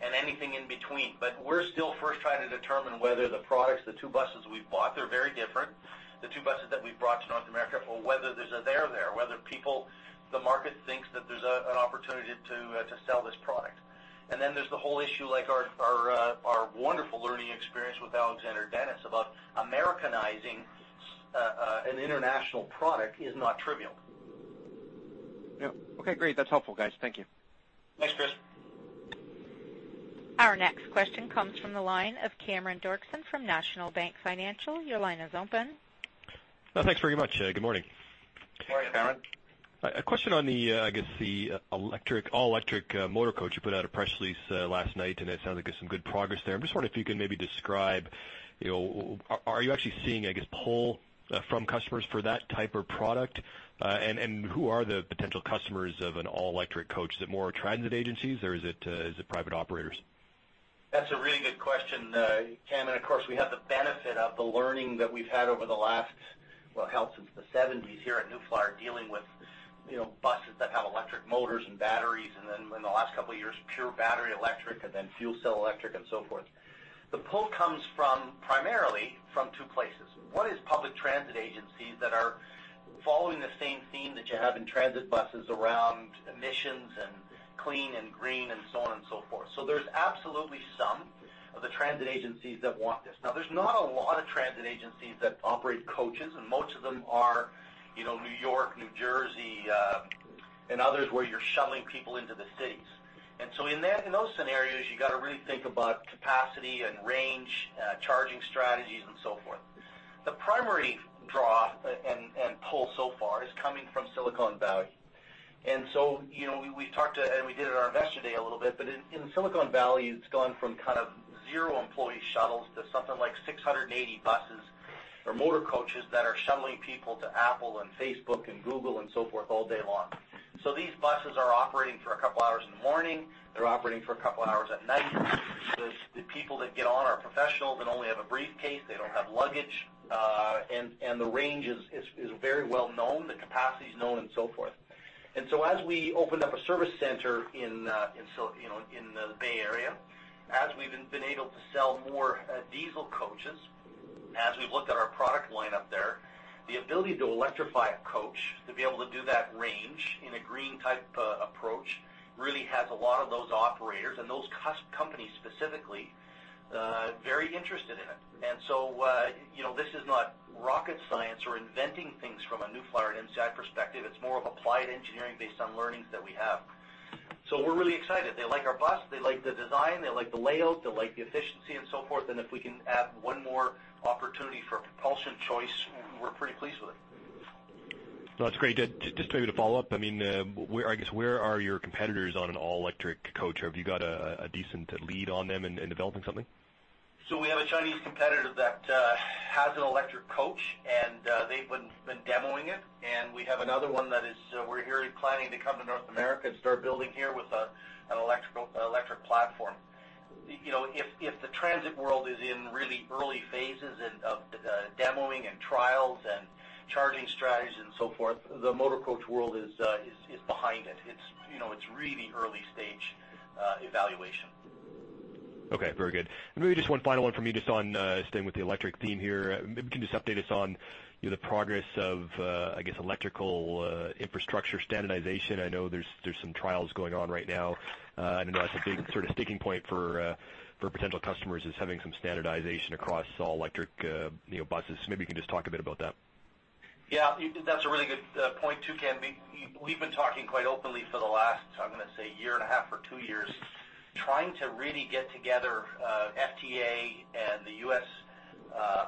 and anything in between. We're still first trying to determine whether the products, the two buses we've bought, they're very different. The two buses that we've brought to North America, for whether there's a there there, whether people, the market thinks that there's an opportunity to sell this product. Then there's the whole issue, like our wonderful learning experience with Alexander Dennis about Americanizing an international product is not trivial. Yep. Okay, great. That's helpful, guys. Thank you. Thanks, Chris. Our next question comes from the line of Cameron Doerksen from National Bank Financial. Your line is open. Thanks very much. Good morning. Good morning, Cameron. A question on the, I guess, the all electric motor coach. You put out a press release last night. It sounds like there's some good progress there. I'm just wondering if you can maybe describe, are you actually seeing, I guess, pull from customers for that type of product? Who are the potential customers of an all-electric coach? Is it more transit agencies or is it private operators? That's a really good question, Cam. Of course, we have the benefit of the learning that we've had over the last, well, hell, since the '70s here at New Flyer, dealing with buses that have electric motors and batteries. In the last couple of years, pure battery electric, fuel cell electric and so forth. The pull comes from primarily from two places. One is public transit agencies that are following the same theme that you have in transit buses around emissions and clean and green and so on and so forth. There's absolutely some of the transit agencies that want this. Now, there's not a lot of transit agencies that operate coaches. Most of them are New York, New Jersey, and others where you're shuttling people into the cities. In those scenarios, you got to really think about capacity and range, charging strategies and so forth. The primary draw and pull so far is coming from Silicon Valley. We talked, and we did it in our Investor Day a little bit, but in Silicon Valley, it's gone from kind of zero employee shuttles to something like 680 buses or motor coaches that are shuttling people to Apple and Facebook and Google and so forth all day long. These buses are operating for a couple of hours in the morning. They're operating for a couple of hours at night. The people that get on are professionals and only have a briefcase. They don't have luggage. The range is very well known. The capacity is known and so forth. As we opened up a service center in the Bay Area, as we've been able to sell more diesel coaches, as we've looked at our product line up there, the ability to electrify a coach to be able to do that range in a green type approach really has a lot of those operators and those companies specifically very interested in it. This is not rocket science or inventing things from a New Flyer and MCI perspective. It's more of applied engineering based on learnings that we have. We're really excited. They like our bus, they like the design, they like the layout, they like the efficiency, and so forth. If we can add one more opportunity for propulsion choice, we're pretty pleased with it. That's great. Just maybe to follow up, where are your competitors on an all-electric coach? Have you got a decent lead on them in developing something? We have a Chinese competitor that has an electric coach, and they've been demoing it. We have another one that we're hearing planning to come to North America and start building here with an electric platform. If the transit world is in really early phases of the demoing, and trials, and charging strategies, and so forth, the motor coach world is behind it. It's really early stage evaluation. Okay. Very good. Maybe just one final one from me, just on staying with the electric theme here. Maybe can you just update us on the progress of electrical infrastructure standardization? I know there's some trials going on right now. I know that's a big sort of sticking point for potential customers, is having some standardization across all-electric buses. Maybe you can just talk a bit about that. Yeah. That's a really good point, too, Cam. We've been talking quite openly for the last, I'm going to say, year and a half or two years, trying to really get together FTA and the U.S.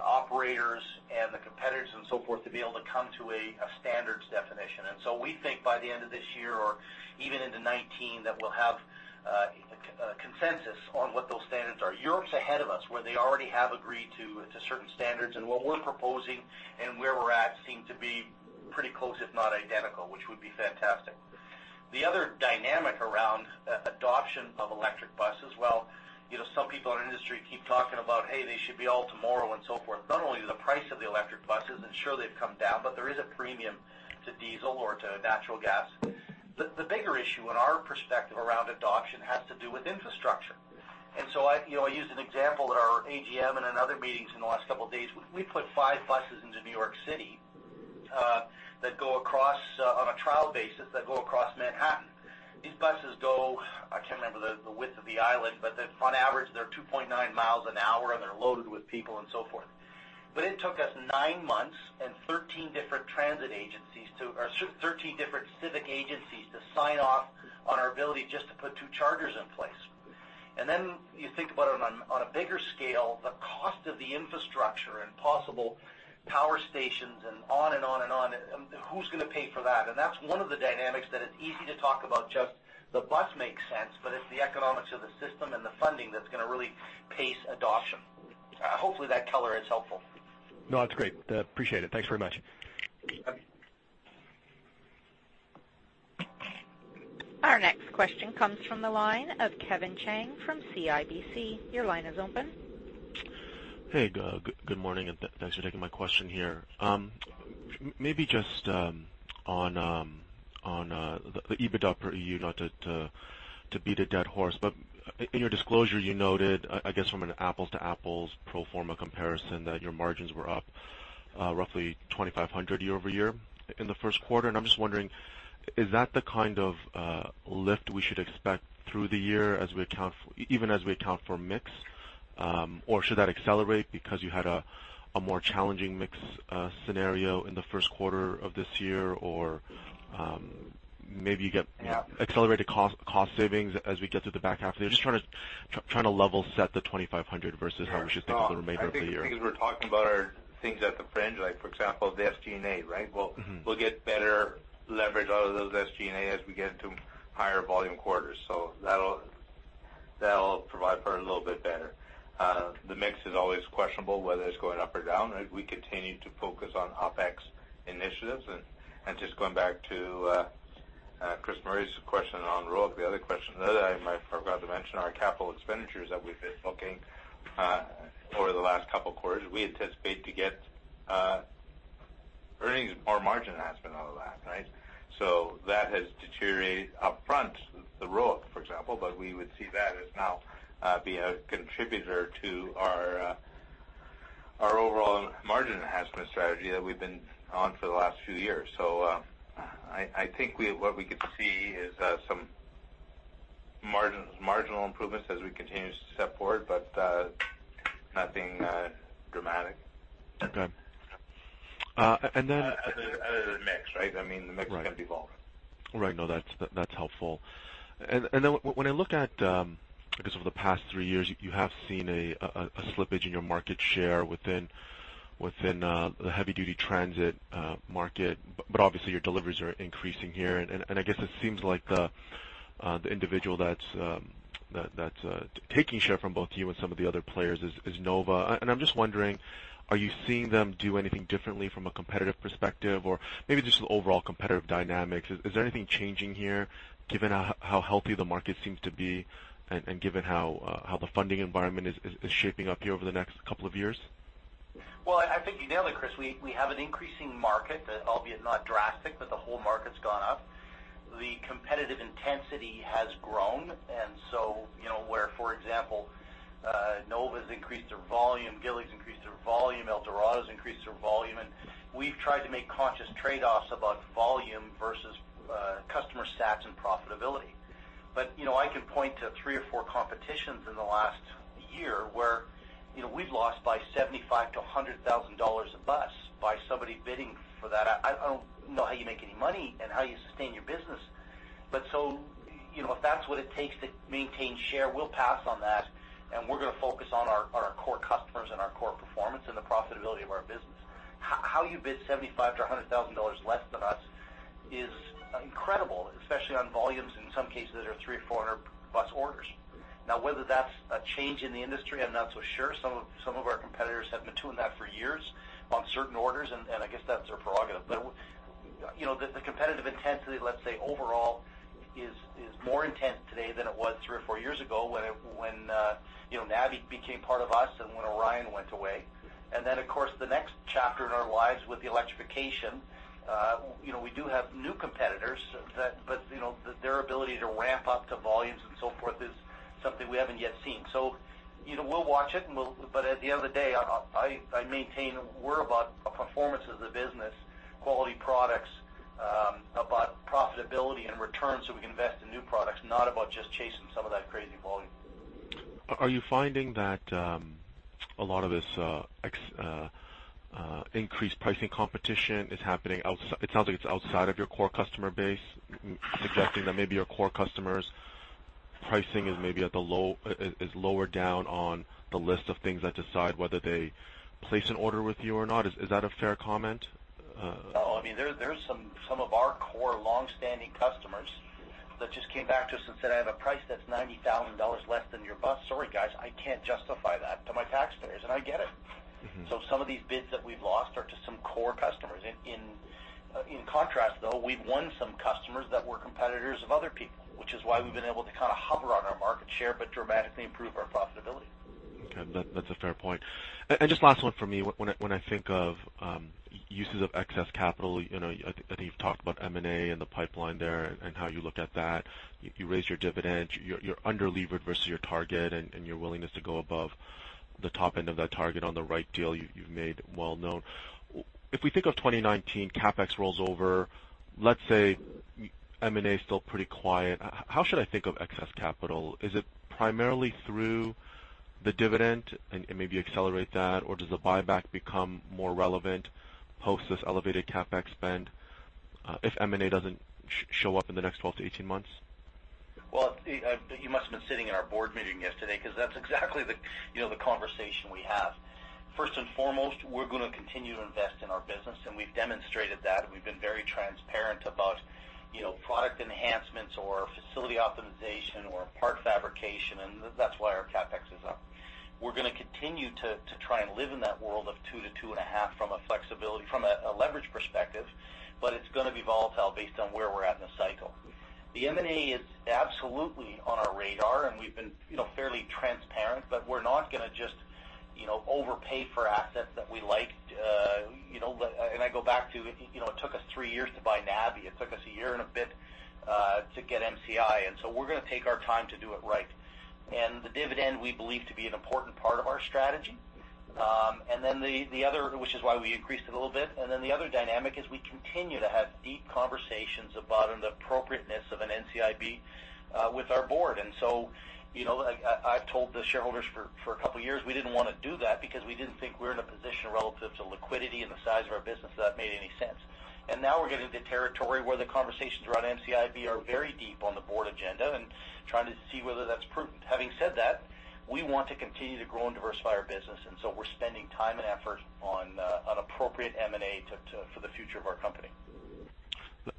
operators, and the competitors, and so forth, to be able to come to a standards definition. We think by the end of this year or even into 2019, that we'll have a consensus on what those standards are. Europe's ahead of us, where they already have agreed to certain standards, and what we're proposing and where we're at seem to be pretty close, if not identical, which would be fantastic. The other dynamic around adoption of electric buses, well, some people in our industry keep talking about, "Hey, they should be all tomorrow," and so forth. Not only the price of the electric buses, and sure they've come down, but there is a premium to diesel or to natural gas. The bigger issue in our perspective around adoption has to do with infrastructure. I used an example at our AGM and in other meetings in the last couple of days. We put five buses into New York City on a trial basis, that go across Manhattan. These buses go, I can't remember the width of the island, but on average, they're 2.9 miles an hour, and they're loaded with people, and so forth. It took us nine months and 13 different civic agencies to sign off on our ability just to put two chargers in place. Then you think about it on a bigger scale, the cost of the infrastructure and possible power stations and on and on, who's going to pay for that? That's one of the dynamics that is easy to talk about, just the bus makes sense, but it's the economics of the system and the funding that's going to really pace adoption. Hopefully, that color is helpful. No, that's great. Appreciate it. Thanks very much. Okay. Our next question comes from the line of Kevin Chiang from CIBC. Your line is open. Hey, good morning. Thanks for taking my question here. Maybe just on the EBITDA per unit, not to beat a dead horse, but in your disclosure, you noted, I guess from an apples-to-apples pro forma comparison, that your margins were up roughly 2,500 year-over-year in the first quarter. I'm just wondering, is that the kind of lift we should expect through the year, even as we account for mix? Should that accelerate because you had a more challenging mix scenario in the first quarter of this year? Maybe you get accelerated cost savings as we get to the back half of the year. Just trying to level set the 2,500 versus how we should think of the remainder of the year. I think because we're talking about our things at the fringe, like for example, the SG&A, right? We'll get better leverage out of those SG&A as we get into higher volume quarters. That'll provide for a little bit better. The mix is always questionable whether it's going up or down. We continue to focus on OpEx initiatives. Just going back to Chris Murray's question on ROIC, the other question that I might forgot to mention are capital expenditures that we've been booking over the last couple quarters. We anticipate to get earnings or margin enhancement out of that. That has deteriorated upfront, the ROIC, for example, but we would see that as now being a contributor to our overall margin enhancement strategy that we've been on for the last few years. I think what we could see is some marginal improvements as we continue to step forward, but nothing dramatic. Okay. Other than mix, right? The mix can be volatile. Right. No, that's helpful. Then when I look at, I guess, over the past three years, you have seen a slippage in your market share within the heavy-duty transit market, but obviously, your deliveries are increasing here. I guess it seems like the individual that's taking share from both you and some of the other players is Nova. I'm just wondering, are you seeing them do anything differently from a competitive perspective? Or maybe just the overall competitive dynamics. Is there anything changing here given how healthy the market seems to be and given how the funding environment is shaping up here over the next couple of years? Well, I think you nailed it, Chris. We have an increasing market, albeit not drastic, but the whole market's gone up. The competitive intensity has grown, and so where, for example, Nova Bus's increased their volume, Gillig's increased their volume, ElDorado's increased their volume, and we've tried to make conscious trade-offs about volume versus customer stats and profitability. I can point to three or four competitions in the last year where we've lost by 75,000 to 100,000 dollars a bus by somebody bidding for that. I don't know how you make any money and how you sustain your business. If that's what it takes to maintain share, we'll pass on that, and we're going to focus on our core customers and our core performance and the profitability of our business. How you bid 75,000 to 100,000 dollars less than us is incredible, especially on volumes, in some cases, that are 300 or 400 bus orders. Now, whether that's a change in the industry, I'm not so sure. Some of our competitors have been doing that for years on certain orders, and I guess that's their prerogative. The competitive intensity, let's say, overall, is more intense today than it was three or four years ago when Nabi became part of us and when Orion Bus Industries went away. Of course, the next chapter in our lives with the electrification. We do have new competitors. Their ability to ramp up to volumes and so forth is something we haven't yet seen. We'll watch it, but at the end of the day, I maintain we're about performance of the business, quality products, about profitability and returns so we can invest in new products, not about just chasing some of that crazy volume. Are you finding that a lot of this increased pricing competition is happening It sounds like it's outside of your core customer base, suggesting that maybe your core customers' pricing is lower down on the list of things that decide whether they place an order with you or not. Is that a fair comment? There are some of our core longstanding customers that just came back to us and said, "I have a price that's 90,000 dollars less than your bus. Sorry, guys, I can't justify that to my taxpayers," and I get it. Some of these bids that we've lost are to some core customers. In contrast, though, we've won some customers that were competitors of other people, which is why we've been able to kind of hover on our market share but dramatically improve our profitability. Okay, that's a fair point. Just last one from me. When I think of uses of excess capital, I think you've talked about M&A and the pipeline there and how you look at that. You raise your dividend, you're under-levered versus your target, and your willingness to go above the top end of that target on the right deal, you've made well known. If we think of 2019, CapEx rolls over, let's say M&A is still pretty quiet. How should I think of excess capital? Is it primarily through the dividend, and maybe accelerate that, or does the buyback become more relevant post this elevated CapEx spend if M&A doesn't show up in the next 12 to 18 months? Well, you must have been sitting in our board meeting yesterday because that's exactly the conversation we have. First and foremost, we're going to continue to invest in our business, and we've demonstrated that. We've been very transparent about product enhancements or facility optimization or part fabrication, and that's why our CapEx is up. We're going to continue to try and live in that world of two to two and a half from a leverage perspective, but it's going to be volatile based on where we're at in the cycle. The M&A is absolutely on our radar, and we've been fairly transparent, but we're not going to just overpay for assets that we like. I go back to, it took us three years to buy NABI. It took us a year and a bit to get MCI. So we're going to take our time to do it right. The dividend, we believe to be an important part of our strategy, which is why we increased it a little bit. The other dynamic is we continue to have deep conversations about the appropriateness of an NCIB with our board. I've told the shareholders for a couple of years, we didn't want to do that because we didn't think we were in a position relative to liquidity and the size of our business that made any sense. Now we're getting to the territory where the conversations around NCIB are very deep on the board agenda and trying to see whether that's prudent. Having said that, we want to continue to grow and diversify our business, we're spending time and effort on appropriate M&A for the future of our company.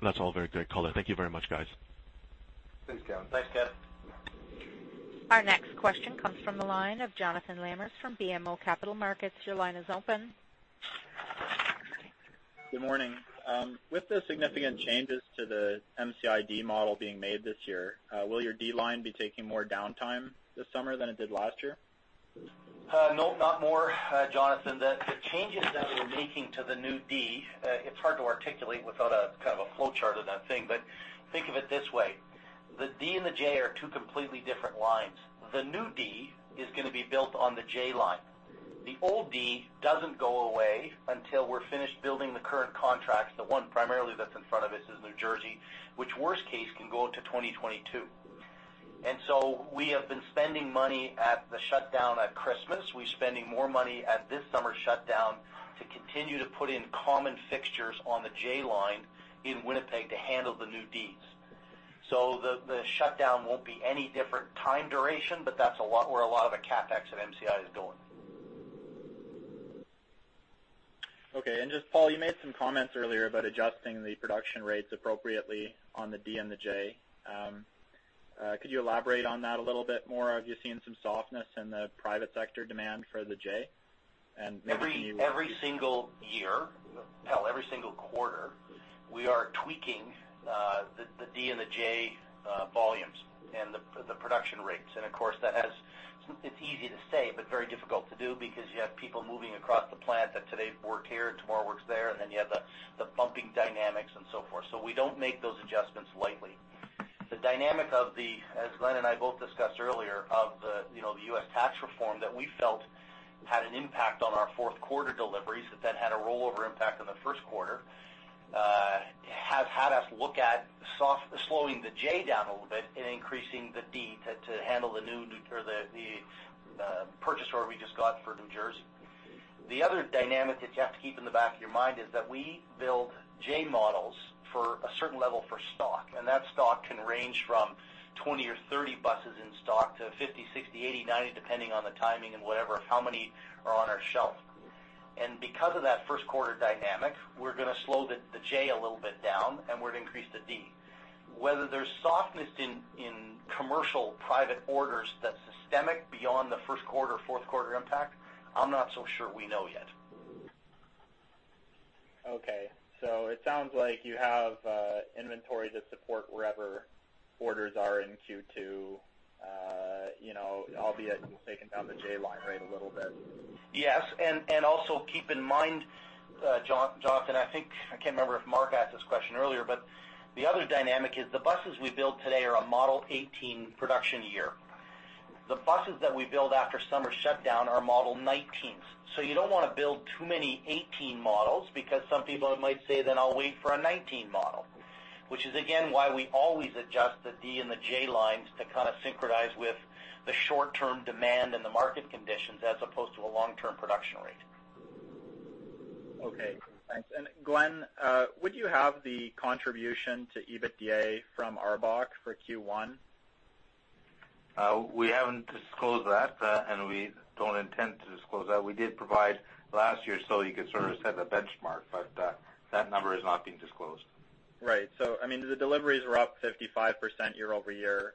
That's all very clear. Thank you very much, guys. Thanks, Kevin. Thanks, Kevin. Our next question comes from the line of Jonathan Lamers from BMO Capital Markets. Your line is open. Good morning. With the significant changes to the MCI D model being made this year, will your D line be taking more downtime this summer than it did last year? No, not more, Jonathan. The changes that we're making to the new D, it's hard to articulate without a kind of a flowchart of that thing, but think of it this way. The D and the J are two completely different lines. The new D is going to be built on the J line. The old D doesn't go away until we're finished building the current contracts. The one primarily that's in front of us is New Jersey, which worst case can go to 2022. We have been spending money at the shutdown at Christmas. We're spending more money at this summer shutdown to continue to put in common fixtures on the J line in Winnipeg to handle the new Ds. The shutdown won't be any different time duration, but that's where a lot of the CapEx of MCI is going. Okay. Paul, you made some comments earlier about adjusting the production rates appropriately on the D and the J. Could you elaborate on that a little bit more? Are you seeing some softness in the private sector demand for the J? maybe- Every single year, hell, every single quarter, we are tweaking the Model D and the Model J volumes and the production rates. Of course, it's easy to say, but very difficult to do because you have people moving across the plant that today work here and tomorrow works there, and then you have the bumping dynamics and so forth. We don't make those adjustments lightly. The dynamic of the, as Glenn and I both discussed earlier, of the U.S. tax reform that we felt had an impact on our fourth quarter deliveries that then had a rollover impact on the first quarter, have had us look at slowing the Model J down a little bit and increasing the Model D to handle the new, or the purchase order we just got for New Jersey. The other dynamic that you have to keep in the back of your mind is that we build Model J models for a certain level for stock, and that stock can range from 20 or 30 buses in stock to 50, 60, 80, 90, depending on the timing and whatever, how many are on our shelf. Because of that first quarter dynamic, we're going to slow the Model J a little bit down and we're going to increase the Model D. Whether there's softness in commercial private orders that's systemic beyond the first quarter, fourth quarter impact, I'm not so sure we know yet. Okay. It sounds like you have inventory to support wherever orders are in Q2, albeit you've taken down the Model J line rate a little bit. Yes. Also keep in mind, Jonathan, I think, I can't remember if Mark asked this question earlier, but the other dynamic is the buses we build today are a Model '18 production year. The buses that we build after summer shutdown are Model '19s. You don't want to build too many '18 Models because some people might say, "Then I'll wait for a '19 Model." Which is, again, why we always adjust the Model D and the Model J lines to kind of synchronize with the short-term demand and the market conditions as opposed to a long-term production rate. Okay, thanks. Glenn, would you have the contribution to EBITDA from ARBOC for Q1? We haven't disclosed that, we don't intend to disclose that. We did provide last year, you could sort of set a benchmark, that number is not being disclosed. Right. The deliveries were up 55% year-over-year.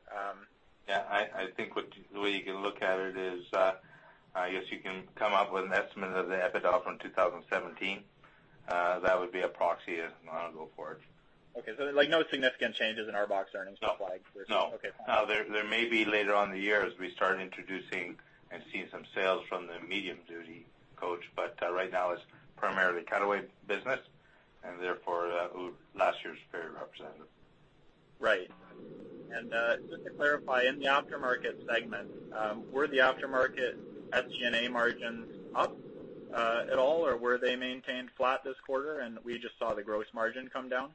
Yeah, I think the way you can look at it is, I guess you can come up with an estimate of the EBITDA from 2017. That would be a proxy, I'll go forward. Okay, no significant changes in ARBOC's earnings to flag? No. Okay. There may be later on in the year as we start introducing and seeing some sales from the medium-duty coach. Right now, it's primarily Cutaway business, and therefore, last year's figure represented. Right. Just to clarify, in the aftermarket segment, were the aftermarket SG&A margins up at all or were they maintained flat this quarter and we just saw the gross margin come down?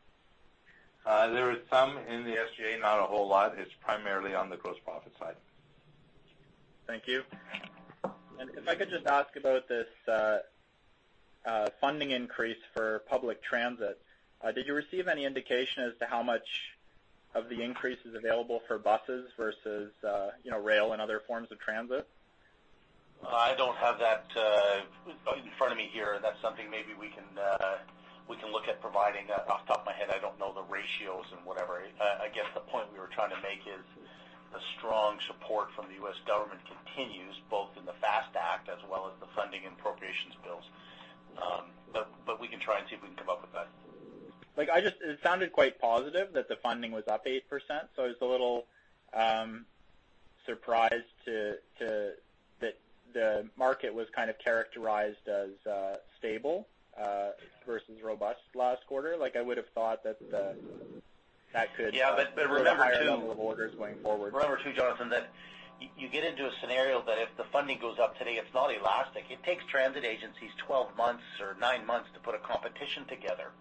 There was some in the SG&A, not a whole lot. It's primarily on the gross profit side. Thank you. If I could just ask about this funding increase for public transit. Did you receive any indication as to how much of the increase is available for buses versus rail and other forms of transit? I don't have that in front of me here. That's something maybe we can look at providing. Off the top of my head, I don't know the ratios and whatever. I guess the point we were trying to make is the strong support from the U.S. government continues, both in the FAST Act as well as the funding and appropriations bills. We can try and see if we can come up with that. It sounded quite positive that the funding was up 8%. I was a little surprised that the market was kind of characterized as stable versus robust last quarter. Yeah. orders going forward. Remember, too, Jonathan, that you get into a scenario that if the funding goes up today, it's not elastic. It takes transit agencies 12 months or nine months to put a competition together.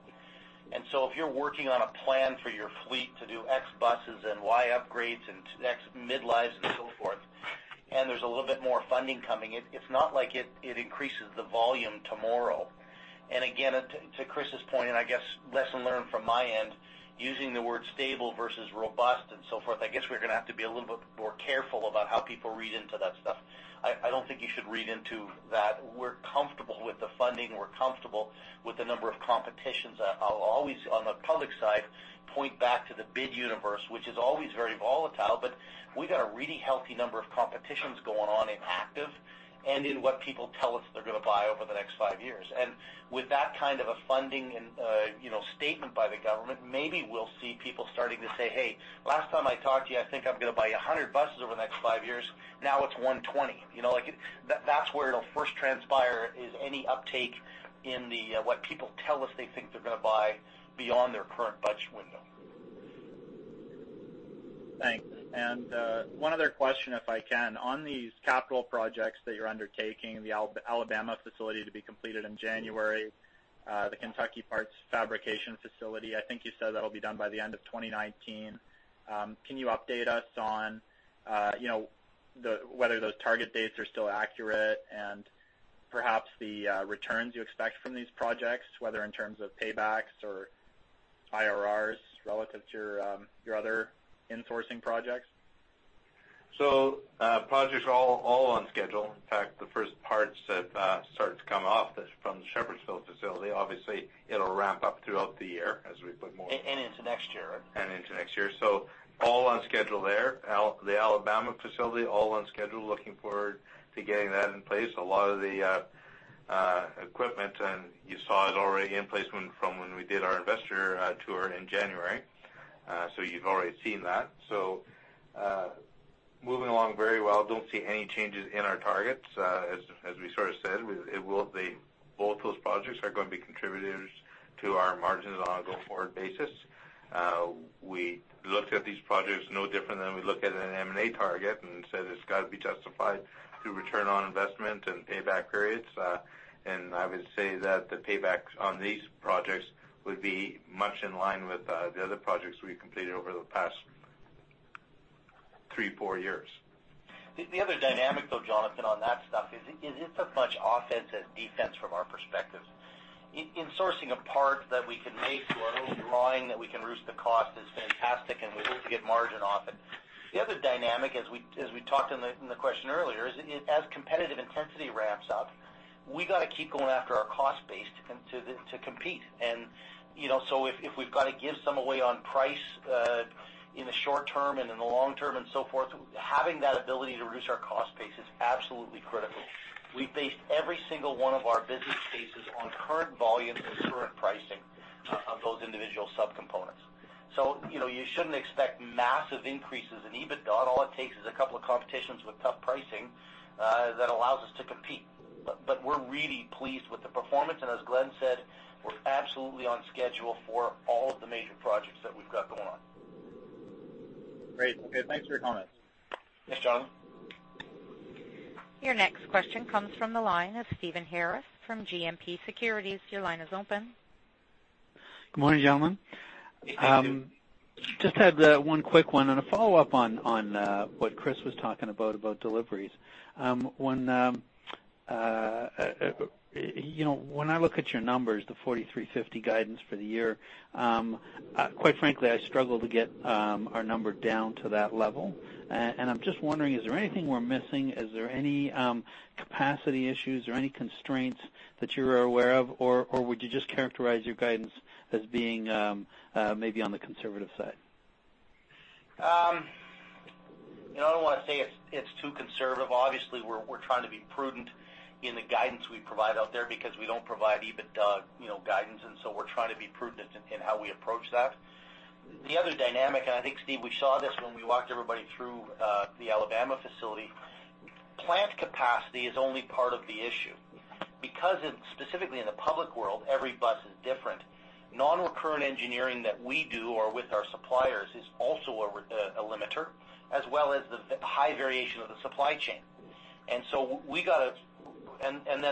So if you're working on a plan for your fleet to do X buses and Y upgrades and X mid-lives and so forth, and there's a little bit more funding coming in, it's not like it increases the volume tomorrow. Again, to Chris's point, and I guess lesson learned from my end, using the word stable versus robust and so forth, I guess we're going to have to be a little bit more careful about how people read into that stuff. I don't think you should read into that. We're comfortable with the funding. We're comfortable with the number of competitions. I'll always, on the public side, point back to the bid universe, which is always very volatile, but we've got a really healthy number of competitions going on in active and in what people tell us they're going to buy over the next five years. With that kind of a funding and statement by the government, maybe we'll see people starting to say, "Hey, last time I talked to you, I think I'm going to buy 100 buses over the next five years. Now it's 120." That's where it'll first transpire is any uptake in the, what people tell us they think they're going to buy beyond their current budget window. Thanks. One other question, if I can. On these capital projects that you're undertaking, the Alabama facility to be completed in January, the Kentucky parts fabrication facility, I think you said that'll be done by the end of 2019. Can you update us on whether those target dates are still accurate and perhaps the returns you expect from these projects, whether in terms of paybacks or IRRs relative to your other insourcing projects? Projects are all on schedule. In fact, the first parts have started to come off from the Shepherdsville facility. Obviously, it'll ramp up throughout the year as we put more- Into next year Into next year. All on schedule there. The Alabama facility, all on schedule, looking forward to getting that in place. A lot of the equipment, and you saw it already in place from when we did our investor tour in January. You've already seen that. Moving along very well. Don't see any changes in our targets, as we sort of said. Both those projects are going to be contributors to our margins on a go-forward basis. We looked at these projects no different than we look at an M&A target and said it's got to be justified through return on investment and payback periods. I would say that the paybacks on these projects would be much in line with the other projects we've completed over the past three, four years. The other dynamic, though, Jonathan, on that stuff is it's as much offense as defense from our perspective. In sourcing a part that we can make or a drawing that we can reduce the cost is fantastic, and we hope to get margin off it. The other dynamic, as we talked in the question earlier, is as competitive intensity ramps up, we got to keep going after our cost base to compete. If we've got to give some away on price in the short term and in the long term and so forth, having that ability to reduce our cost base is absolutely critical. We've based every single one of our business cases on current volume and current pricing of those individual subcomponents. You shouldn't expect massive increases in EBITDA. All it takes is a couple of competitions with tough pricing that allows us to compete. We're really pleased with the performance, and as Glenn said, we're absolutely on schedule for all of the major projects that we've got going on. Great. Okay, thanks for your comments. Thanks, Jonathan. Your next question comes from the line of Stephen Harris from GMP Securities. Your line is open. Good morning, gentlemen. Good morning. Just had the one quick one and a follow-up on what Chris was talking about deliveries. When I look at your numbers, the 4,350 guidance for the year, quite frankly, I struggle to get our number down to that level. I'm just wondering, is there anything we're missing? Is there any capacity issues or any constraints that you're aware of, or would you just characterize your guidance as being maybe on the conservative side? I don't want to say it's too conservative. Obviously, we're trying to be prudent in the guidance we provide out there because we don't provide EBITDA guidance. We're trying to be prudent in how we approach that. The other dynamic, and I think, Steve, we saw this when we walked everybody through the Alabama facility, plant capacity is only part of the issue. Because specifically in the public world, every bus is different. Non-recurrent engineering that we do or with our suppliers is also a limiter, as well as the high variation of the supply chain.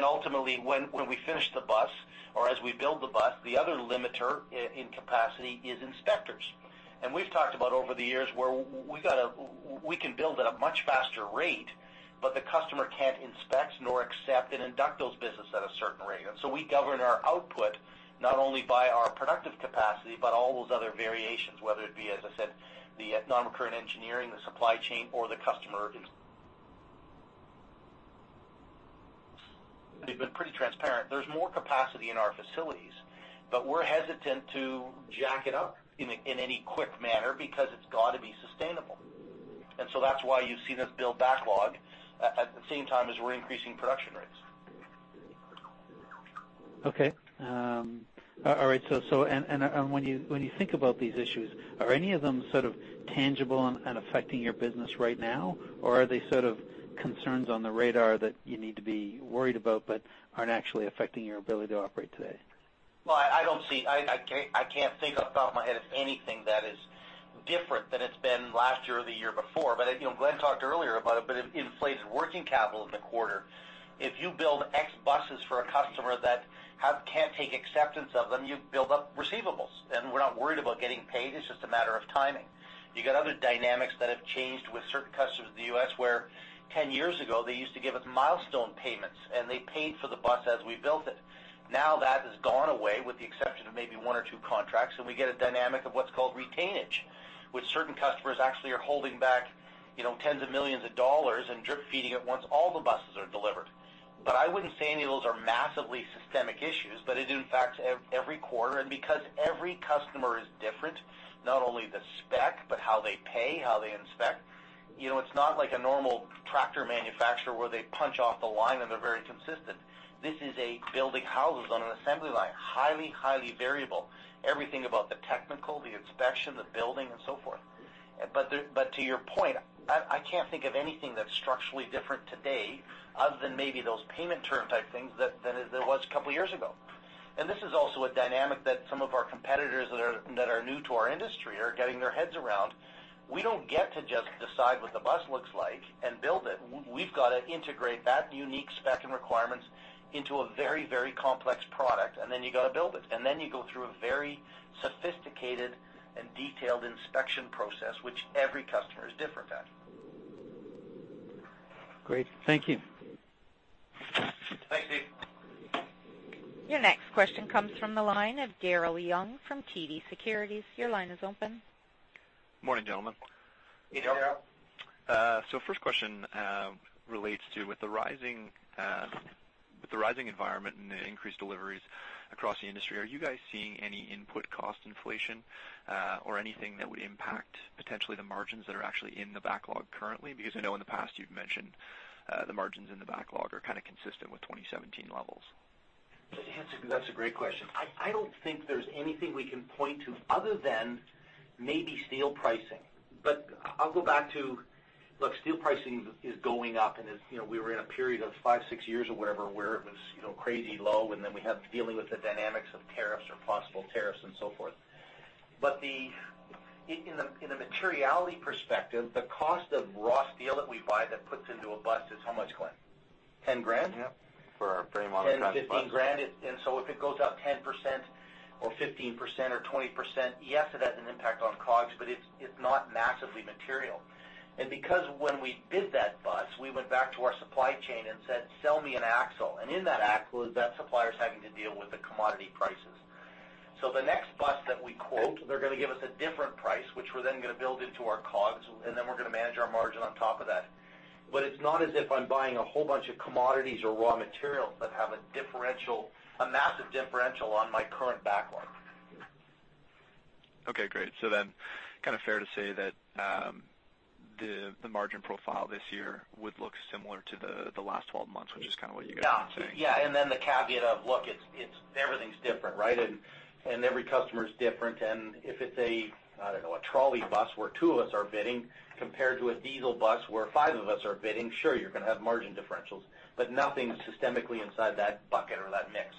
Ultimately, when we finish the bus or as we build the bus, the other limiter in capacity is inspectors. We've talked about over the years where we can build at a much faster rate, but the customer can't inspect nor accept and induct those buses at a certain rate. We govern our output not only by our productive capacity, but all those other variations, whether it be, as I said, the non-recurrent engineering, the supply chain, or the customer. We've been pretty transparent. There's more capacity in our facilities, but we're hesitant to jack it up in any quick manner because it's got to be sustainable. That's why you see this build backlog at the same time as we're increasing production rates. Okay. All right. When you think about these issues, are any of them sort of tangible and affecting your business right now? Or are they sort of concerns on the radar that you need to be worried about but aren't actually affecting your ability to operate today? Well, I can't think off the top of my head of anything that is different than it's been last year or the year before. Glenn talked earlier about a bit of inflated working capital in the quarter. If you build X buses for a customer that can't take acceptance of them, you build up receivables. We're not worried about getting paid, it's just a matter of timing. You got other dynamics that have changed with certain customers in the U.S. where 10 years ago, they used to give us milestone payments, and they paid for the bus as we built it. Now, that has gone away with the exception of maybe one or two contracts, and we get a dynamic of what's called retainage, which certain customers actually are holding back tens of millions of CAD and drip-feeding it once all the buses are delivered. I wouldn't say any of those are massively systemic issues, but it impacts every quarter. Because every customer is different, not only the spec, but how they pay, how they inspect, it's not like a normal tractor manufacturer where they punch off the line and they're very consistent. This is a building houses on an assembly line, highly variable. Everything about the technical, the inspection, the building, and so forth. To your point, I can't think of anything that's structurally different today other than maybe those payment term type things than there was a couple of years ago. This is also a dynamic that some of our competitors that are new to our industry are getting their heads around. We don't get to just decide what the bus looks like and build it. We've got to integrate that unique spec and requirements into a very complex product, then you got to build it. Then you go through a very sophisticated and detailed inspection process, which every customer is different at. Great. Thank you. Thanks, Steve. Your next question comes from the line of Daryl Young from TD Securities. Your line is open. Morning, gentlemen. Hey, Daryl. First question relates to, with the rising environment and the increased deliveries across the industry, are you guys seeing any input cost inflation or anything that would impact potentially the margins that are actually in the backlog currently? Because I know in the past you've mentioned the margins in the backlog are kind of consistent with 2017 levels. That's a great question. I don't think there's anything we can point to other than maybe steel pricing. I'll go back to, look, steel pricing is going up and we were in a period of five, six years or whatever, where it was crazy low, and then we have dealing with the dynamics of tariffs or possible tariffs and so forth. In the materiality perspective, the cost of raw steel that we buy that puts into a bus is how much, Glenn? 10 grand? Yep. For a frame on a transit bus. CAD 10,000, CAD 15,000. If it goes up 10% or 15% or 20%, yes, it has an impact on COGS, but it's not massively material. Because when we bid that bus, we went back to our supply chain and said, "Sell me an axle." In that axle, is that supplier's having to deal with the commodity prices. The next bus that we quote, they're going to give us a different price, which we're then going to build into our COGS, and then we're going to manage our margin on top of that. It's not as if I'm buying a whole bunch of commodities or raw materials that have a massive differential on my current backlog. Okay, great. Fair to say that the margin profile this year would look similar to the last 12 months, which is kind of what you guys have been saying. Yeah. The caveat of, look, everything's different. Every customer's different, and if it's a, I don't know, a trolley bus where two of us are bidding compared to a diesel bus where five of us are bidding, sure, you're going to have margin differentials. Nothing systemically inside that bucket or that mix.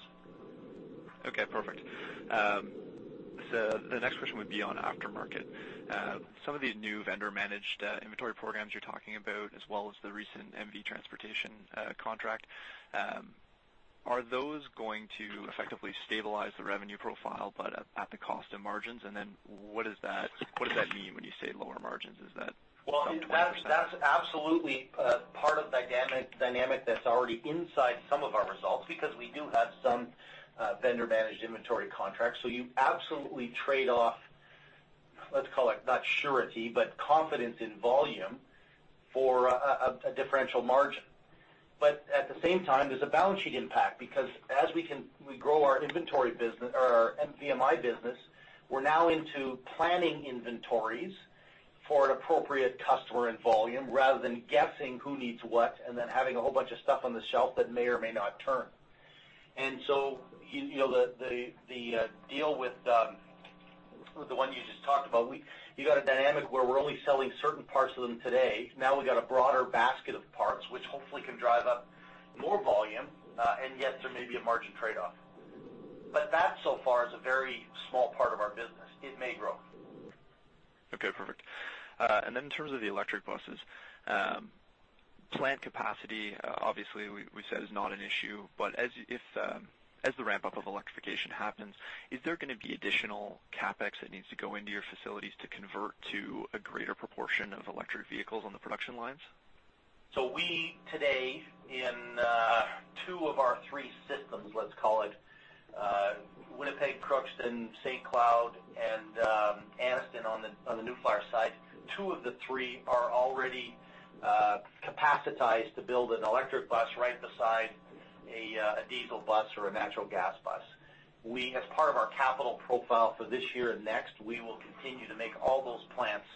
Okay, perfect. The next question would be on aftermarket. Some of the new vendor-managed inventory programs you're talking about, as well as the recent MV Transportation contract, are those going to effectively stabilize the revenue profile, but at the cost of margins? What does that mean when you say lower margins? Is that sub 20%? Well, that's absolutely a part of the dynamic that's already inside some of our results because we do have some vendor-managed inventory contracts. You absolutely trade off, let's call it, not surety, but confidence in volume for a differential margin. At the same time, there's a balance sheet impact because as we grow our VMI business, we're now into planning inventories for an appropriate customer and volume rather than guessing who needs what and then having a whole bunch of stuff on the shelf that may or may not turn. The deal with the one you just talked about, you've got a dynamic where we're only selling certain parts of them today. We've got a broader basket of parts, which hopefully can drive up more volume, yet there may be a margin trade-off. That so far is a very small part of our business. It may grow. Okay, perfect. In terms of the electric buses, plant capacity, obviously, we said is not an issue, but as the ramp-up of electrification happens, is there going to be additional CapEx that needs to go into your facilities to convert to a greater proportion of electric vehicles on the production lines? We today, in two of our three systems, let's call it Winnipeg, Crookston, St. Cloud, and Anniston on the New Flyer side, two of the three are already capacitized to build an electric bus right beside a diesel bus or a natural gas bus. As part of our capital profile for this year and next, we will continue to make all those plants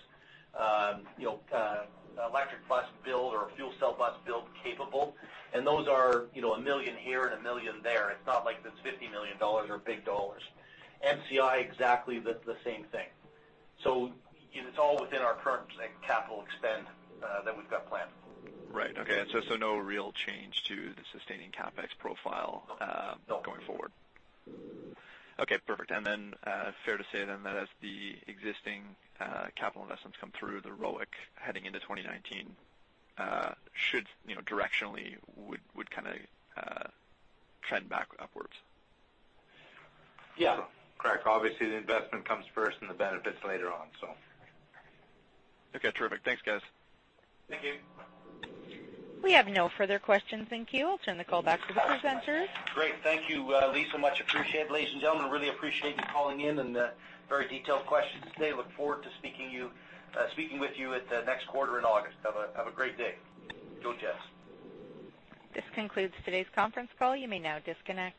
electric bus build or fuel cell bus build capable. Those are 1 million here and 1 million there. It's not like it's 50 million dollars or big dollars. MCI, exactly the same thing. It's all within our current CapEx that we've got planned. Right. Okay. No real change to the sustaining CapEx profile. No going forward. Okay, perfect. Fair to say then that as the existing capital investments come through, the ROIC heading into 2019 directionally would trend back upwards. Yeah. Sure. Correct. Obviously, the investment comes first and the benefits later on. Okay, terrific. Thanks, guys. Thank you. We have no further questions in queue. I'll turn the call back to the presenters. Great. Thank you, Lisa, much appreciated. Ladies and gentlemen, really appreciate you calling in and the very detailed questions today. Look forward to speaking with you at the next quarter in August. Have a great day. Go Jets. This concludes today's conference call. You may now disconnect.